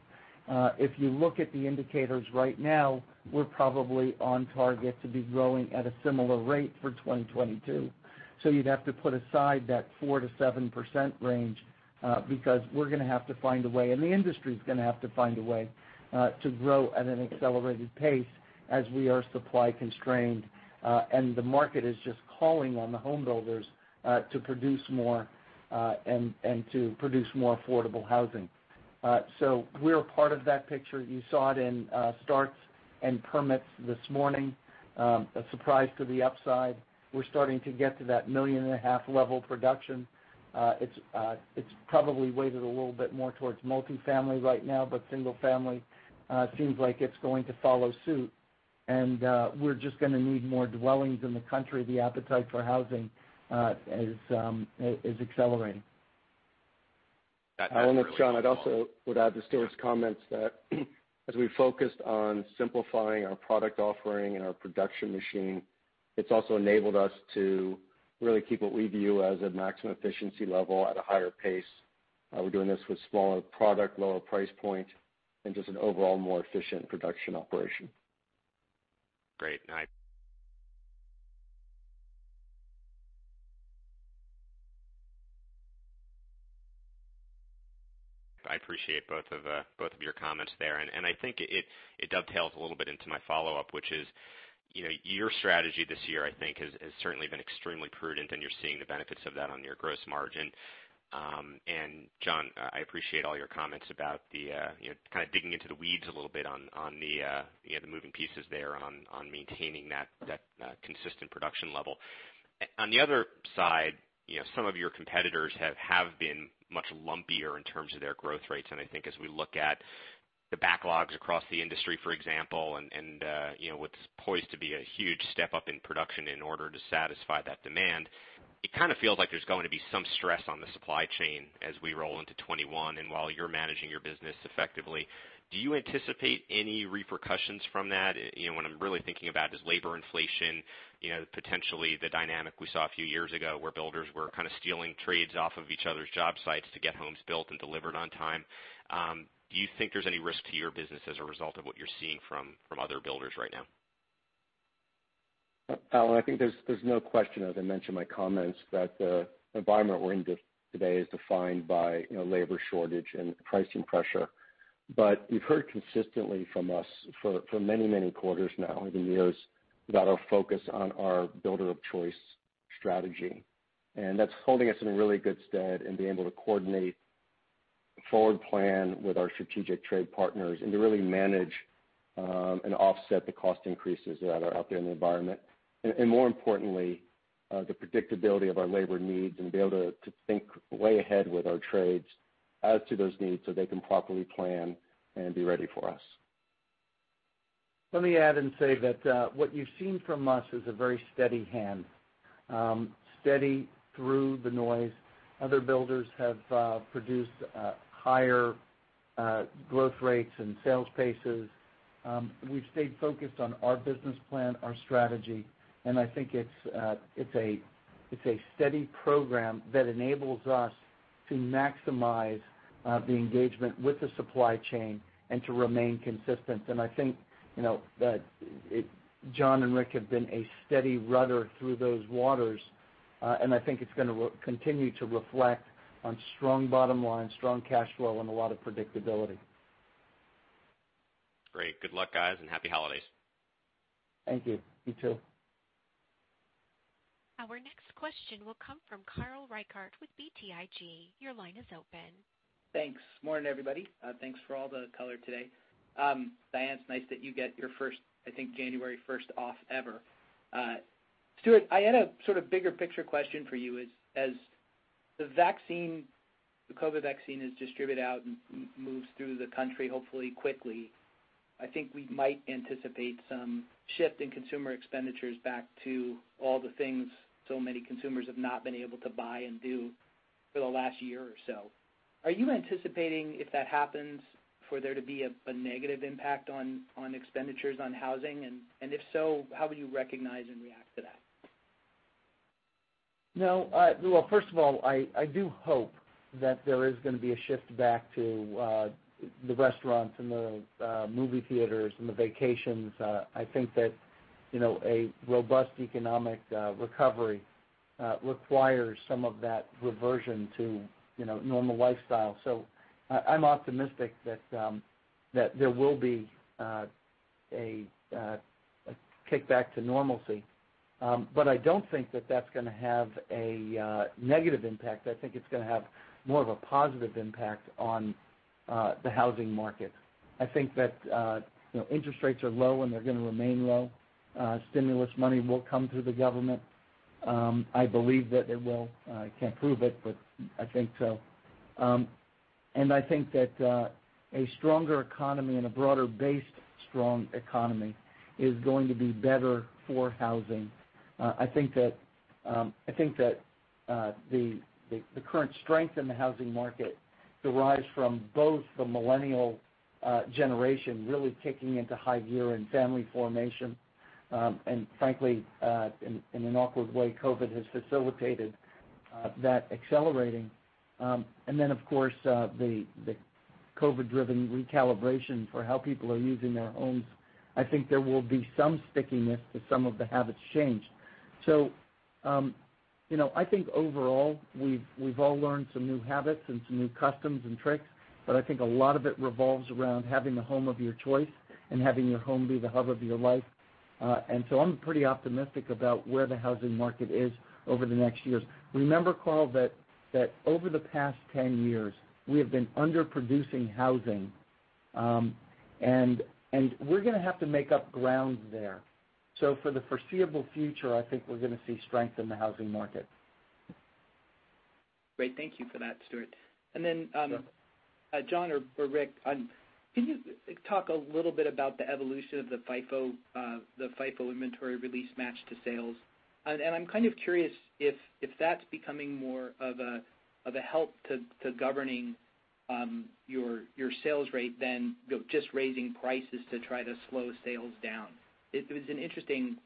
If you look at the indicators right now, we're probably on target to be growing at a similar rate for 2022. You'd have to put aside that 4%-7% range because we're gonna have to find a way, and the industry's gonna have to find a way to grow at an accelerated pace as we are supply-constrained, and the market is just calling on the home builders to produce more and to produce more affordable housing. We're part of that picture. You saw it in starts and permits this morning, a surprise to the upside. We're starting to get to that 1.5 million-level production. It's probably weighted a little bit more towards multifamily right now, but single family seems like it's going to follow suit. We're just gonna need more dwellings in the country. The appetite for housing is accelerating. That. Alan, it's Jon. I'd also add to Stuart's comments that as we focused on simplifying our product offering and our production machine, it's also enabled us to really keep what we view as a maximum efficiency level at a higher pace. We're doing this with smaller product, lower price point, and just an overall more efficient production operation. Great. I appreciate both of both of your comments there. I think it dovetails a little bit into my follow-up, which is, you know, your strategy this year, I think, has certainly been extremely prudent, and you're seeing the benefits of that on your gross margin. Jon, I appreciate all your comments about the, you know, kind of digging into the weeds a little bit on the, you know, the moving pieces there on maintaining that consistent production level. On the other side, you know, some of your competitors have been much lumpier in terms of their growth rates. I think as we look at the backlogs across the industry, for example, and, you know, what's poised to be a huge step-up in production in order to satisfy that demand, it kind of feels like there's going to be some stress on the supply chain as we roll into 2021. While you're managing your business effectively, do you anticipate any repercussions from that? You know, what I'm really thinking about is labor inflation, you know, potentially the dynamic we saw a few years ago, where builders were kind of stealing trades off of each other's job sites to get homes built and delivered on time. Do you think there's any risk to your business as a result of what you're seeing from other builders right now? Alan, I think there's no question, as I mentioned in my comments, that the environment we're in today is defined by, you know, labor shortage and pricing pressure. You've heard consistently from us for many, many quarters now, even years, about our focus on our builder-of-choice strategy. That's holding us in really good stead in being able to coordinate a forward plan with our strategic trade partners and to really manage and offset the cost increases that are out there in the environment. More importantly, the predictability of our labor needs and be able to think way ahead with our trades as to those needs so they can properly plan and be ready for us. Let me add and say that what you've seen from us is a very steady hand, steady through the noise. Other builders have produced higher growth rates and sales paces. We've stayed focused on our business plan, our strategy, and I think it's a, it's a steady program that enables us to maximize the engagement with the supply chain and to remain consistent. I think, you know, that Jon and Rick have been a steady rudder through those waters, and I think it's gonna continue to reflect on strong bottom line, strong cash flow, and a lot of predictability. Great. Good luck, guys, and happy holidays. Thank you. You too. Our next question will come from Carl Reichardt with BTIG. Your line is open. Thanks. Morning, everybody. Thanks for all the color today. Diane, it's nice that you get your first, I think, January first off ever. Stuart, I had a sort of bigger-picture question for you. As the vaccine, the COVID vaccine is distributed out and moves through the country, hopefully quickly, I think we might anticipate some shift in consumer expenditures back to all the things so many consumers have not been able to buy and do for the last year or so. Are you anticipating, if that happens, for there to be a negative impact on expenditures on housing? If so, how would you recognize and react to that? No. Well, first of all, I do hope that there is gonna be a shift back to the restaurants and the movie theaters and the vacations. I think that, you know, a robust economic recovery requires some of that reversion to, you know, normal lifestyle. I'm optimistic that there will be a kickback to normalcy. I don't think that that's gonna have a negative impact. I think it's gonna have more of a positive impact on the housing market. I think that, you know, interest rates are low, and they're gonna remain low. Stimulus money will come through the government. I believe that it will. I can't prove it, but I think so. I think that a stronger economy and a broader-based strong economy is going to be better for housing. I think that the current strength in the housing market derives from both the millennial generation really kicking into high gear in family formation, frankly, in an awkward way, COVID has facilitated that accelerating. Of course, the COVID-driven recalibration for how people are using their homes, I think there will be some stickiness to some of the habits changed. You know, I think overall, we've all learned some new habits and some new customs and tricks, but I think a lot of it revolves around having the home of your choice and having your home be the hub of your life. I'm pretty optimistic about where the housing market is over the next years. Remember, Carl, that over the past 10 years, we have been underproducing housing, and we're gonna have to make up ground there. For the foreseeable future, I think we're gonna see strength in the housing market. Great. Thank you for that, Stuart. Sure. Jon or Rick, can you talk a little bit about the evolution of the FIFO inventory release match to sales? I'm kind of curious if that's becoming more of a help to governing your sales rate than just raising prices to try to slow sales down. It was an interesting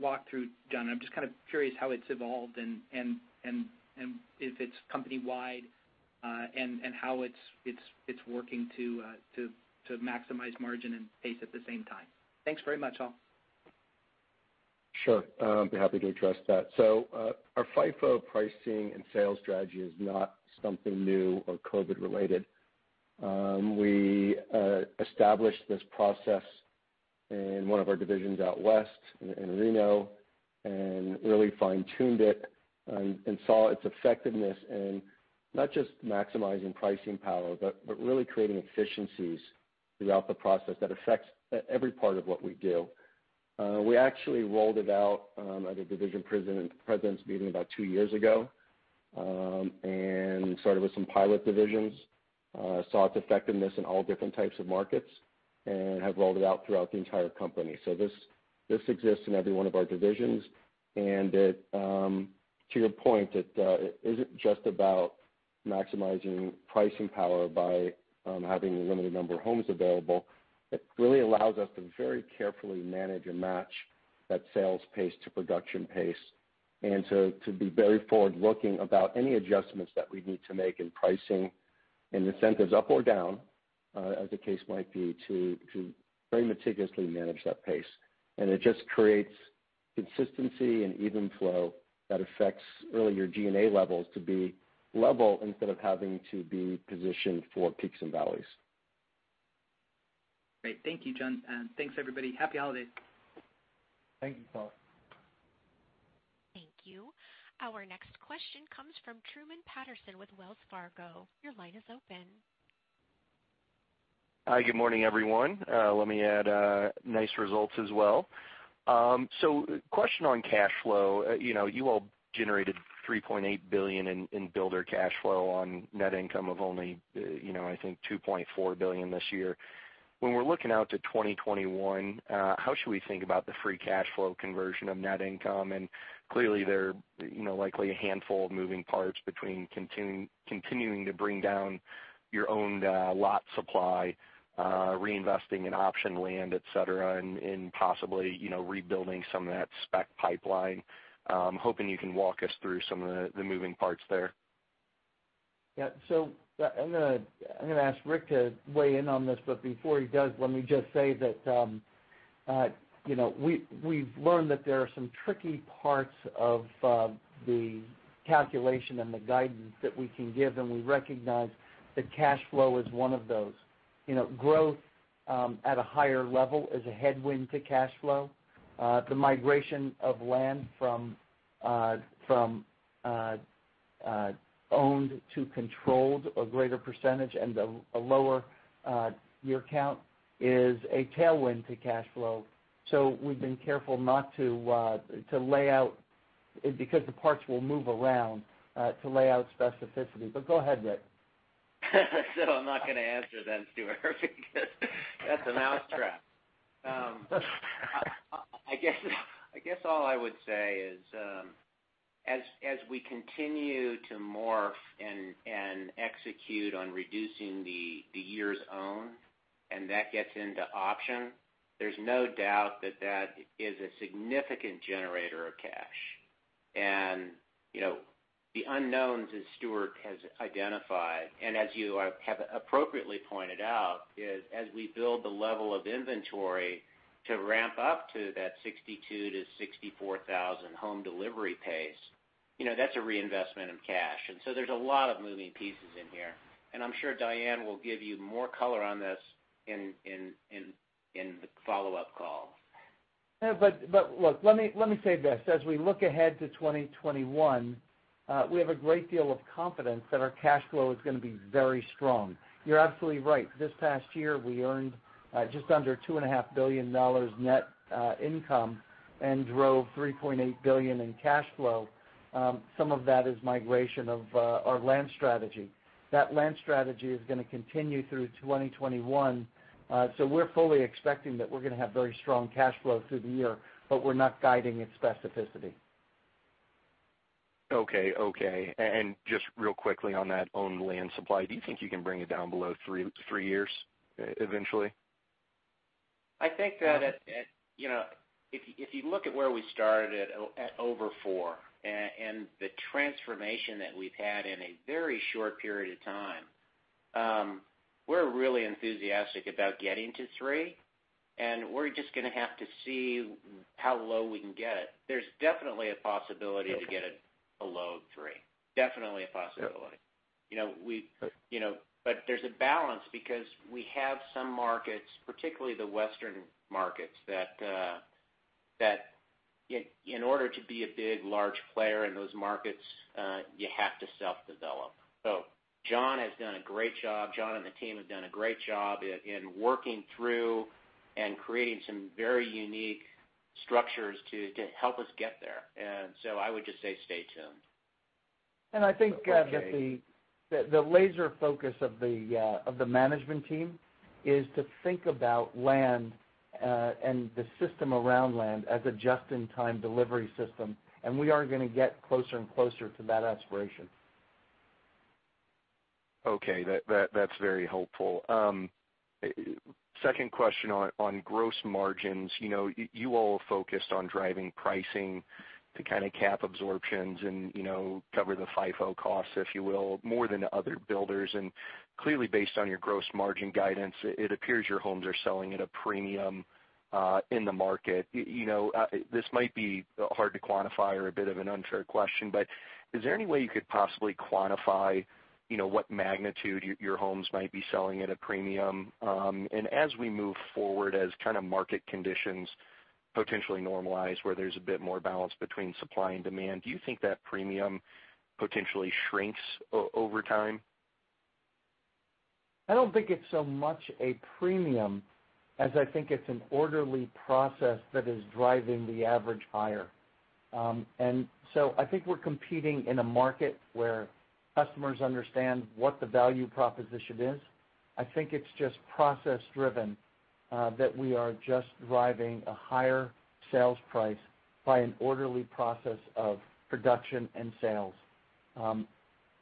walk through, Jon. I'm just kind of curious how it's evolved and if it's company-wide and how it's working to maximize margin and pace at the same time. Thanks very much, all. Sure, I'll be happy to address that. Our FIFO pricing and sales strategy is not something new or COVID-related. We established this process in one of our divisions out west in Reno and really fine-tuned it and saw its effectiveness in not just maximizing pricing power, but really creating efficiencies throughout the process that affects every part of what we do. We actually rolled it out at a division presidents meeting about two years ago and started with some pilot divisions, saw its effectiveness in all different types of markets and have rolled it out throughout the entire company. This exists in every one of our divisions. It, to your point, it isn't just about maximizing pricing power by having a limited number of homes available. It really allows us to very carefully manage and match that sales pace to production pace and to be very forward-looking about any adjustments that we need to make in pricing and incentives up or down, as the case might be, to very meticulously manage that pace. It just creates consistency and even flow that affects really your G&A levels to be level instead of having to be positioned for peaks and valleys. Great. Thank you, Jon, and thanks, everybody. Happy holidays. Thank you, Carl. Thank you. Our next question comes from Truman Patterson with Wells Fargo. Your line is open. Hi, good morning, everyone. Let me add nice results as well. Question on cash flow. You know, you all generated $3.8 billion in builder cash flow on net income of only, you know, I think $2.4 billion this year. When we're looking out to 2021, how should we think about the free cash flow conversion of net income? Clearly, there, you know, likely a handful of moving parts between continuing to bring down your owned lot supply, reinvesting in option land, et cetera, and possibly, you know, rebuilding some of that spec pipeline. Hoping you can walk us through some of the moving parts there. Yeah. I'm going to ask Rick to weigh in on this. Before he does, let me just say that, you know, we've learned that there are some tricky parts of the calculation and the guidance that we can give, and we recognize that cash flow is one of those. You know, growth at a higher level is a headwind to cash flow. The migration of land from owned to controlled, a greater percentage and a lower year count is a tailwind to cash flow. We've been careful not to lay out specificity because the parts will move around. Go ahead, Rick. I'm not gonna answer then, Stuart, because that's a mousetrap. I guess all I would say is, as we continue to morph and execute on reducing the years owned and that gets into option, there's no doubt that that is a significant generator of cash. You know, the unknowns that Stuart has identified, and as you have appropriately pointed out, is as we build the level of inventory to ramp up to that 62,000 homes-64,000 home delivery pace, you know, that's a reinvestment in cash. There's a lot of moving pieces in here, and I'm sure Diane will give you more color on this in the follow-up call. Look, let me say this. As we look ahead to 2021, we have a great deal of confidence that our cash flow is gonna be very strong. You're absolutely right. This past year, we earned just under $2.5 billion net income and drove $3.8 billion in cash flow. Some of that is migration of our land strategy. That land strategy is gonna continue through 2021. We're fully expecting that we're gonna have very strong cash flow through the year, but we're not guiding its specificity. Okay, okay. Just real quickly on that owned land supply, do you think you can bring it down below three years eventually? I think that, you know, if you look at where we started at over four years, and the transformation that we've had in a very short period of time, we're really enthusiastic about getting to three years, we're just gonna have to see how low we can get it. There's definitely a possibility to get it below three years. Definitely a possibility. You know, there's a balance because we have some markets, particularly the Western markets, that, in order to be a big, large player in those markets, you have to self-develop. Jon has done a great job. Jon and the team have done a great job in working through and creating some very unique structures to help us get there. I would just say stay tuned. I think, that the laser focus of the management team is to think about land, and the system around land as a just-in-time delivery system, and we are gonna get closer and closer to that aspiration. Okay. That's very helpful. Second question on gross margins. You know, you all focused on driving pricing to kind of cap absorptions and, you know, cover the FIFO costs, if you will, more than other builders. Clearly, based on your gross margin guidance, it appears your homes are selling at a premium in the market. You know, this might be hard to quantify or a bit of an unfair question, but is there any way you could possibly quantify, you know, what magnitude your homes might be selling at a premium? As we move forward, as kind of market conditions potentially normalize, where there's a bit more balance between supply and demand, do you think that premium potentially shrinks over time? I don't think it's so much a premium as I think it's an orderly process that is driving the average higher. I think we're competing in a market where customers understand what the value proposition is. I think it's just process-driven that we are just driving a higher sales price by an orderly process of production and sales. I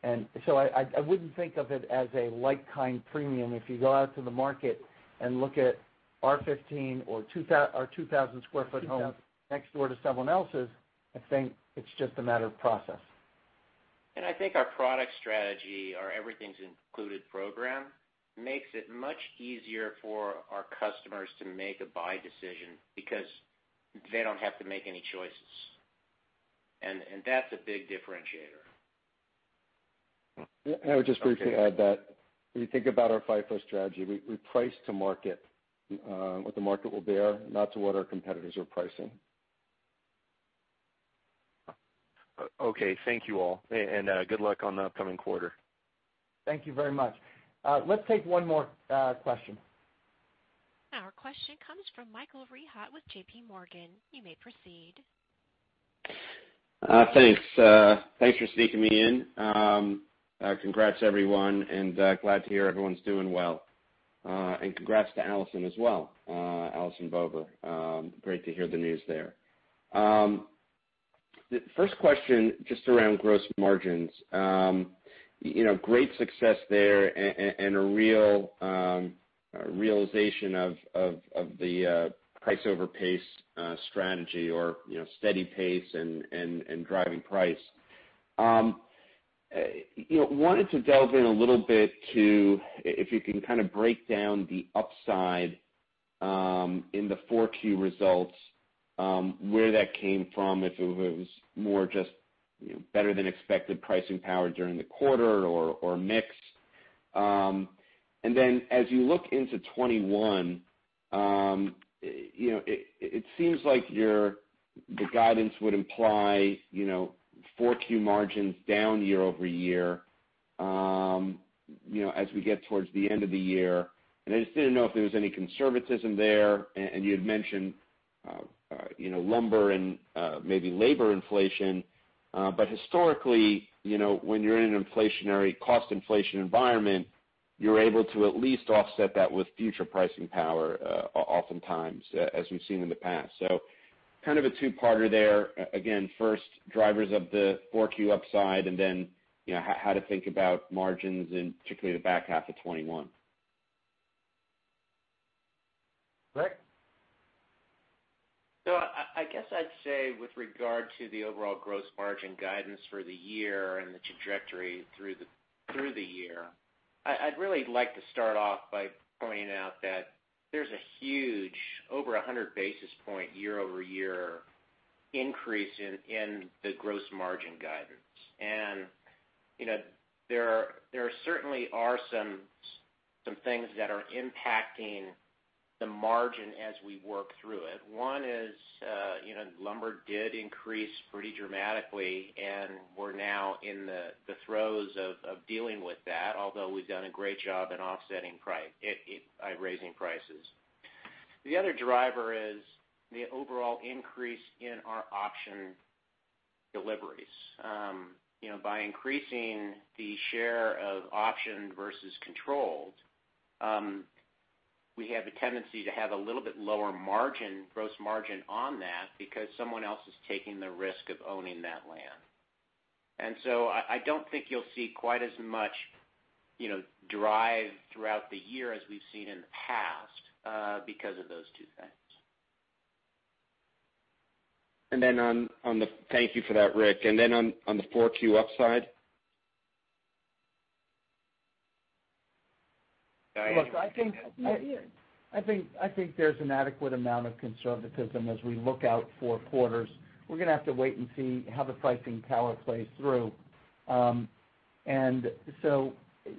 wouldn't think of it as a like-kind premium. If you go out to the market and look at our 15 sq ft or our 2,000 sq ft home next door to someone else's, I think it's just a matter of process. I think our product strategy, our Everything's Included program, makes it much easier for our customers to make a buy decision because they don't have to make any choices. That's a big differentiator. Okay. I would just briefly add that when you think about our FIFO strategy, we price to market, what the market will bear, not to what our competitors are pricing. Okay. Thank you all, and good luck on the upcoming quarter. Thank you very much. Let's take one more question. Our question comes from Michael Rehaut with J.P. Morgan. You may proceed. Thanks. Thanks for sneaking me in. Congrats, everyone, glad to hear everyone's doing well. Congrats to Allison as well, Allison Bober. Great to hear the news there. First question, just around gross margins. You know, great success there and a real realization of the price over pace strategy or, you know, steady pace and driving price. You know, wanted to delve in a little bit to if you can kind of break down the upside in the 4Q results, where that came from, if it was more just, you know, better than expected pricing power during the quarter or mix. As you look into 2021, you know, it seems like the guidance would imply, you know-4Q margins down year-over-year, you know, as we get towards the end of the year. I just didn't know if there was any conservatism there, and you had mentioned, you know, lumber and maybe labor inflation. Historically, you know, when you're in an inflationary cost inflation environment, you're able to at least offset that with future pricing power, oftentimes, as we've seen in the past. Kind of a two-parter there. Again, first drivers of the 4Q upside and then, you know, how to think about margins in particularly the back half of 2021. Rick? I guess I'd say with regard to the overall gross margin guidance for the year and the trajectory through the year, I'd really like to start off by pointing out that there's a huge over 100 basis point year-over-year increase in the gross margin guidance. You know, there certainly are some things that are impacting the margin as we work through it. One is, you know, lumber did increase pretty dramatically, and we're now in the throes of dealing with that, although we've done a great job in offsetting by raising prices. The other driver is the overall increase in our option deliveries. You know, by increasing the share of option versus controlled, we have a tendency to have a little bit lower margin, gross margin on that because someone else is taking the risk of owning that land. I don't think you'll see quite as much, you know, drive throughout the year as we've seen in the past because of those two things. Thank you for that, Rick. On the 4Q upside? Look, I think there's an adequate amount of conservatism as we look out four quarters. We're gonna have to wait and see how the pricing power plays through.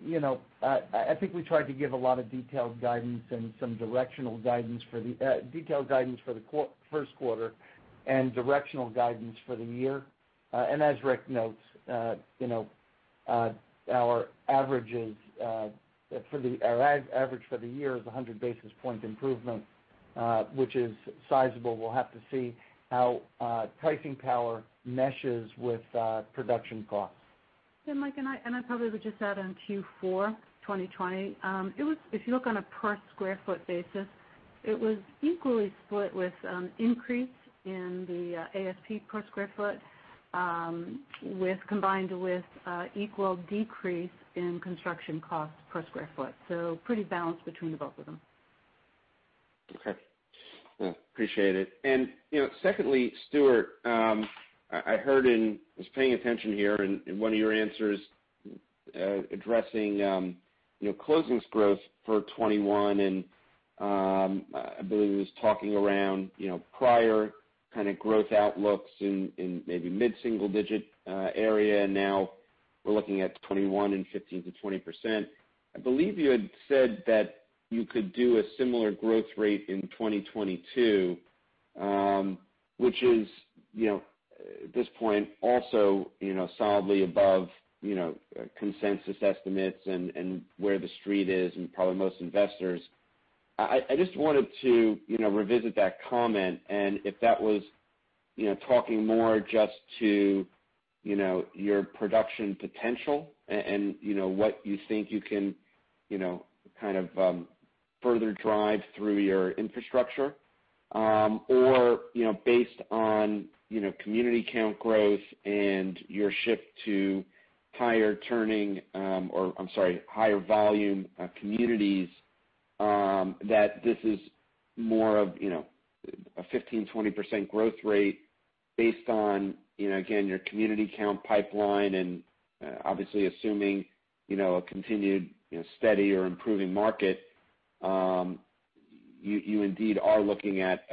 you know, I think we tried to give a lot of detailed guidance and some directional guidance for the detailed guidance for the first quarter and directional guidance for the year. As Rick notes, you know, our average for the year is 100 basis point improvement, which is sizable. We'll have to see how pricing power meshes with production costs. Michael, I probably would just add on Q4 2020. It was, if you look on a per square foot basis, it was equally split with, increase in the ASP per square foot, with, combined with, equal decrease in construction cost per square foot. Pretty balanced between the both of them. Okay. Well, appreciate it. You know, secondly, Stuart, I heard in, I was paying attention here in one of your answers, addressing, you know, closings growth for 2021, I believe it was talking around, you know, prior kind of growth outlooks in maybe mid-single digit area. Now we're looking at 2021 in 15%-20%. I believe you had said that you could do a similar growth rate in 2022, which is, you know, at this point also, you know, solidly above, you know, consensus estimates and where the street is and probably most investors. I just wanted to, you know, revisit that comment. If that was, you know, talking more just to, you know, your production potential and, you know, what you think you can, you know, kind of, further drive through your infrastructure, or, you know, based on, you know, community count growth and your shift to higher turning, or I'm sorry, higher volume communities, that this is more of, you know, a 15%-20% growth rate based on, you know, again, your community count pipeline and, obviously assuming, you know, a continued, you know, steady or improving market, you indeed are looking at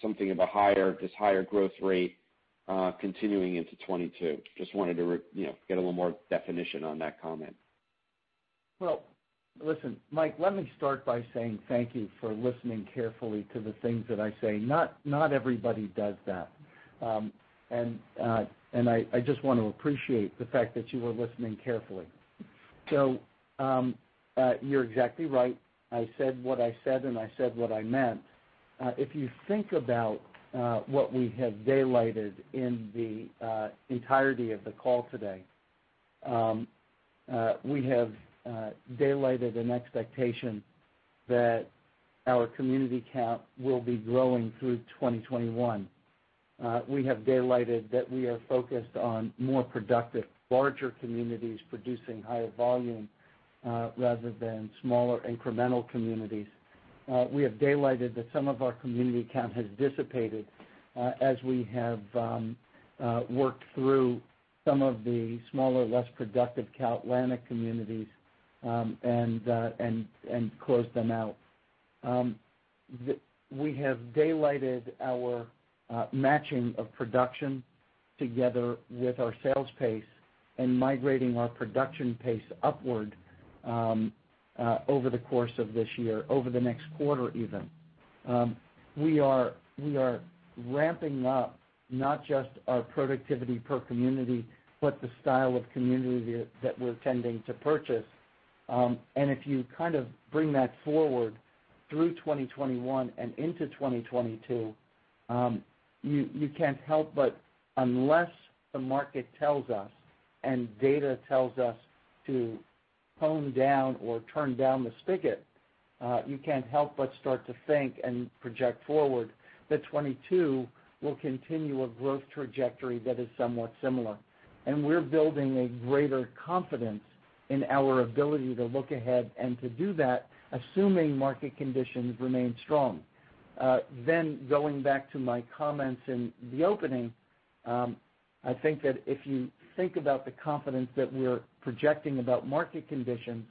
something of a higher, this higher growth rate, continuing into 2022? Just wanted to get a little more definition on that comment. Listen, Michael, let me start by saying thank you for listening carefully to the things that I say. Not everybody does that. I just want to appreciate the fact that you were listening carefully. You're exactly right. I said what I said, and I said what I meant. If you think about what we have daylighted in the entirety of the call today, we have daylighted an expectation that our community count will be growing through 2021. We have daylighted that we are focused on more productive, larger communities producing higher volume rather than smaller incremental communities. We have daylighted that some of our community count has dissipated, as we have worked through some of the smaller, less productive CalAtlantic communities, and closed them out. We have daylighted our matching of production together with our sales pace and migrating our production pace upward over the course of this year, over the next quarter even. We are ramping up not just our productivity per community, but the style of community that we're tending to purchase. If you kind of bring that forward through 2021 and into 2022, you can't help but unless the market tells us and data tells us to tone down or turn down the spigot, you can't help but start to think and project forward that 2022 will continue a growth trajectory that is somewhat similar. We're building a greater confidence in our ability to look ahead and to do that, assuming market conditions remain strong. Going back to my comments in the opening, I think that if you think about the confidence that we're projecting about market conditions,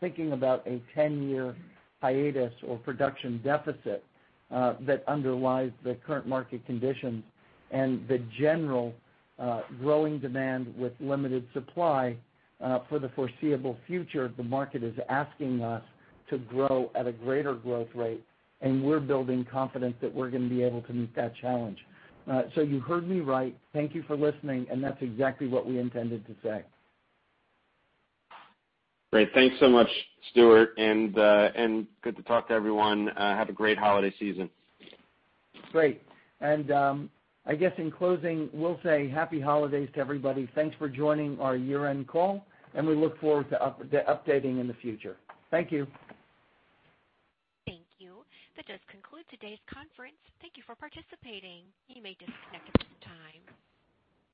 thinking about a 10-year hiatus or production deficit, that underlies the current market conditions and the general, growing demand with limited supply, for the foreseeable future, the market is asking us to grow at a greater growth rate, and we're building confidence that we're going to be able to meet that challenge. You heard me right. Thank you for listening, and that's exactly what we intended to say. Great. Thanks so much, Stuart, and good to talk to everyone. Have a great holiday season. Great. I guess in closing, we'll say happy holidays to everybody. Thanks for joining our year-end call, and we look forward to updating in the future. Thank you. Thank you. That does conclude today's conference. Thank you for participating. You may disconnect at this time.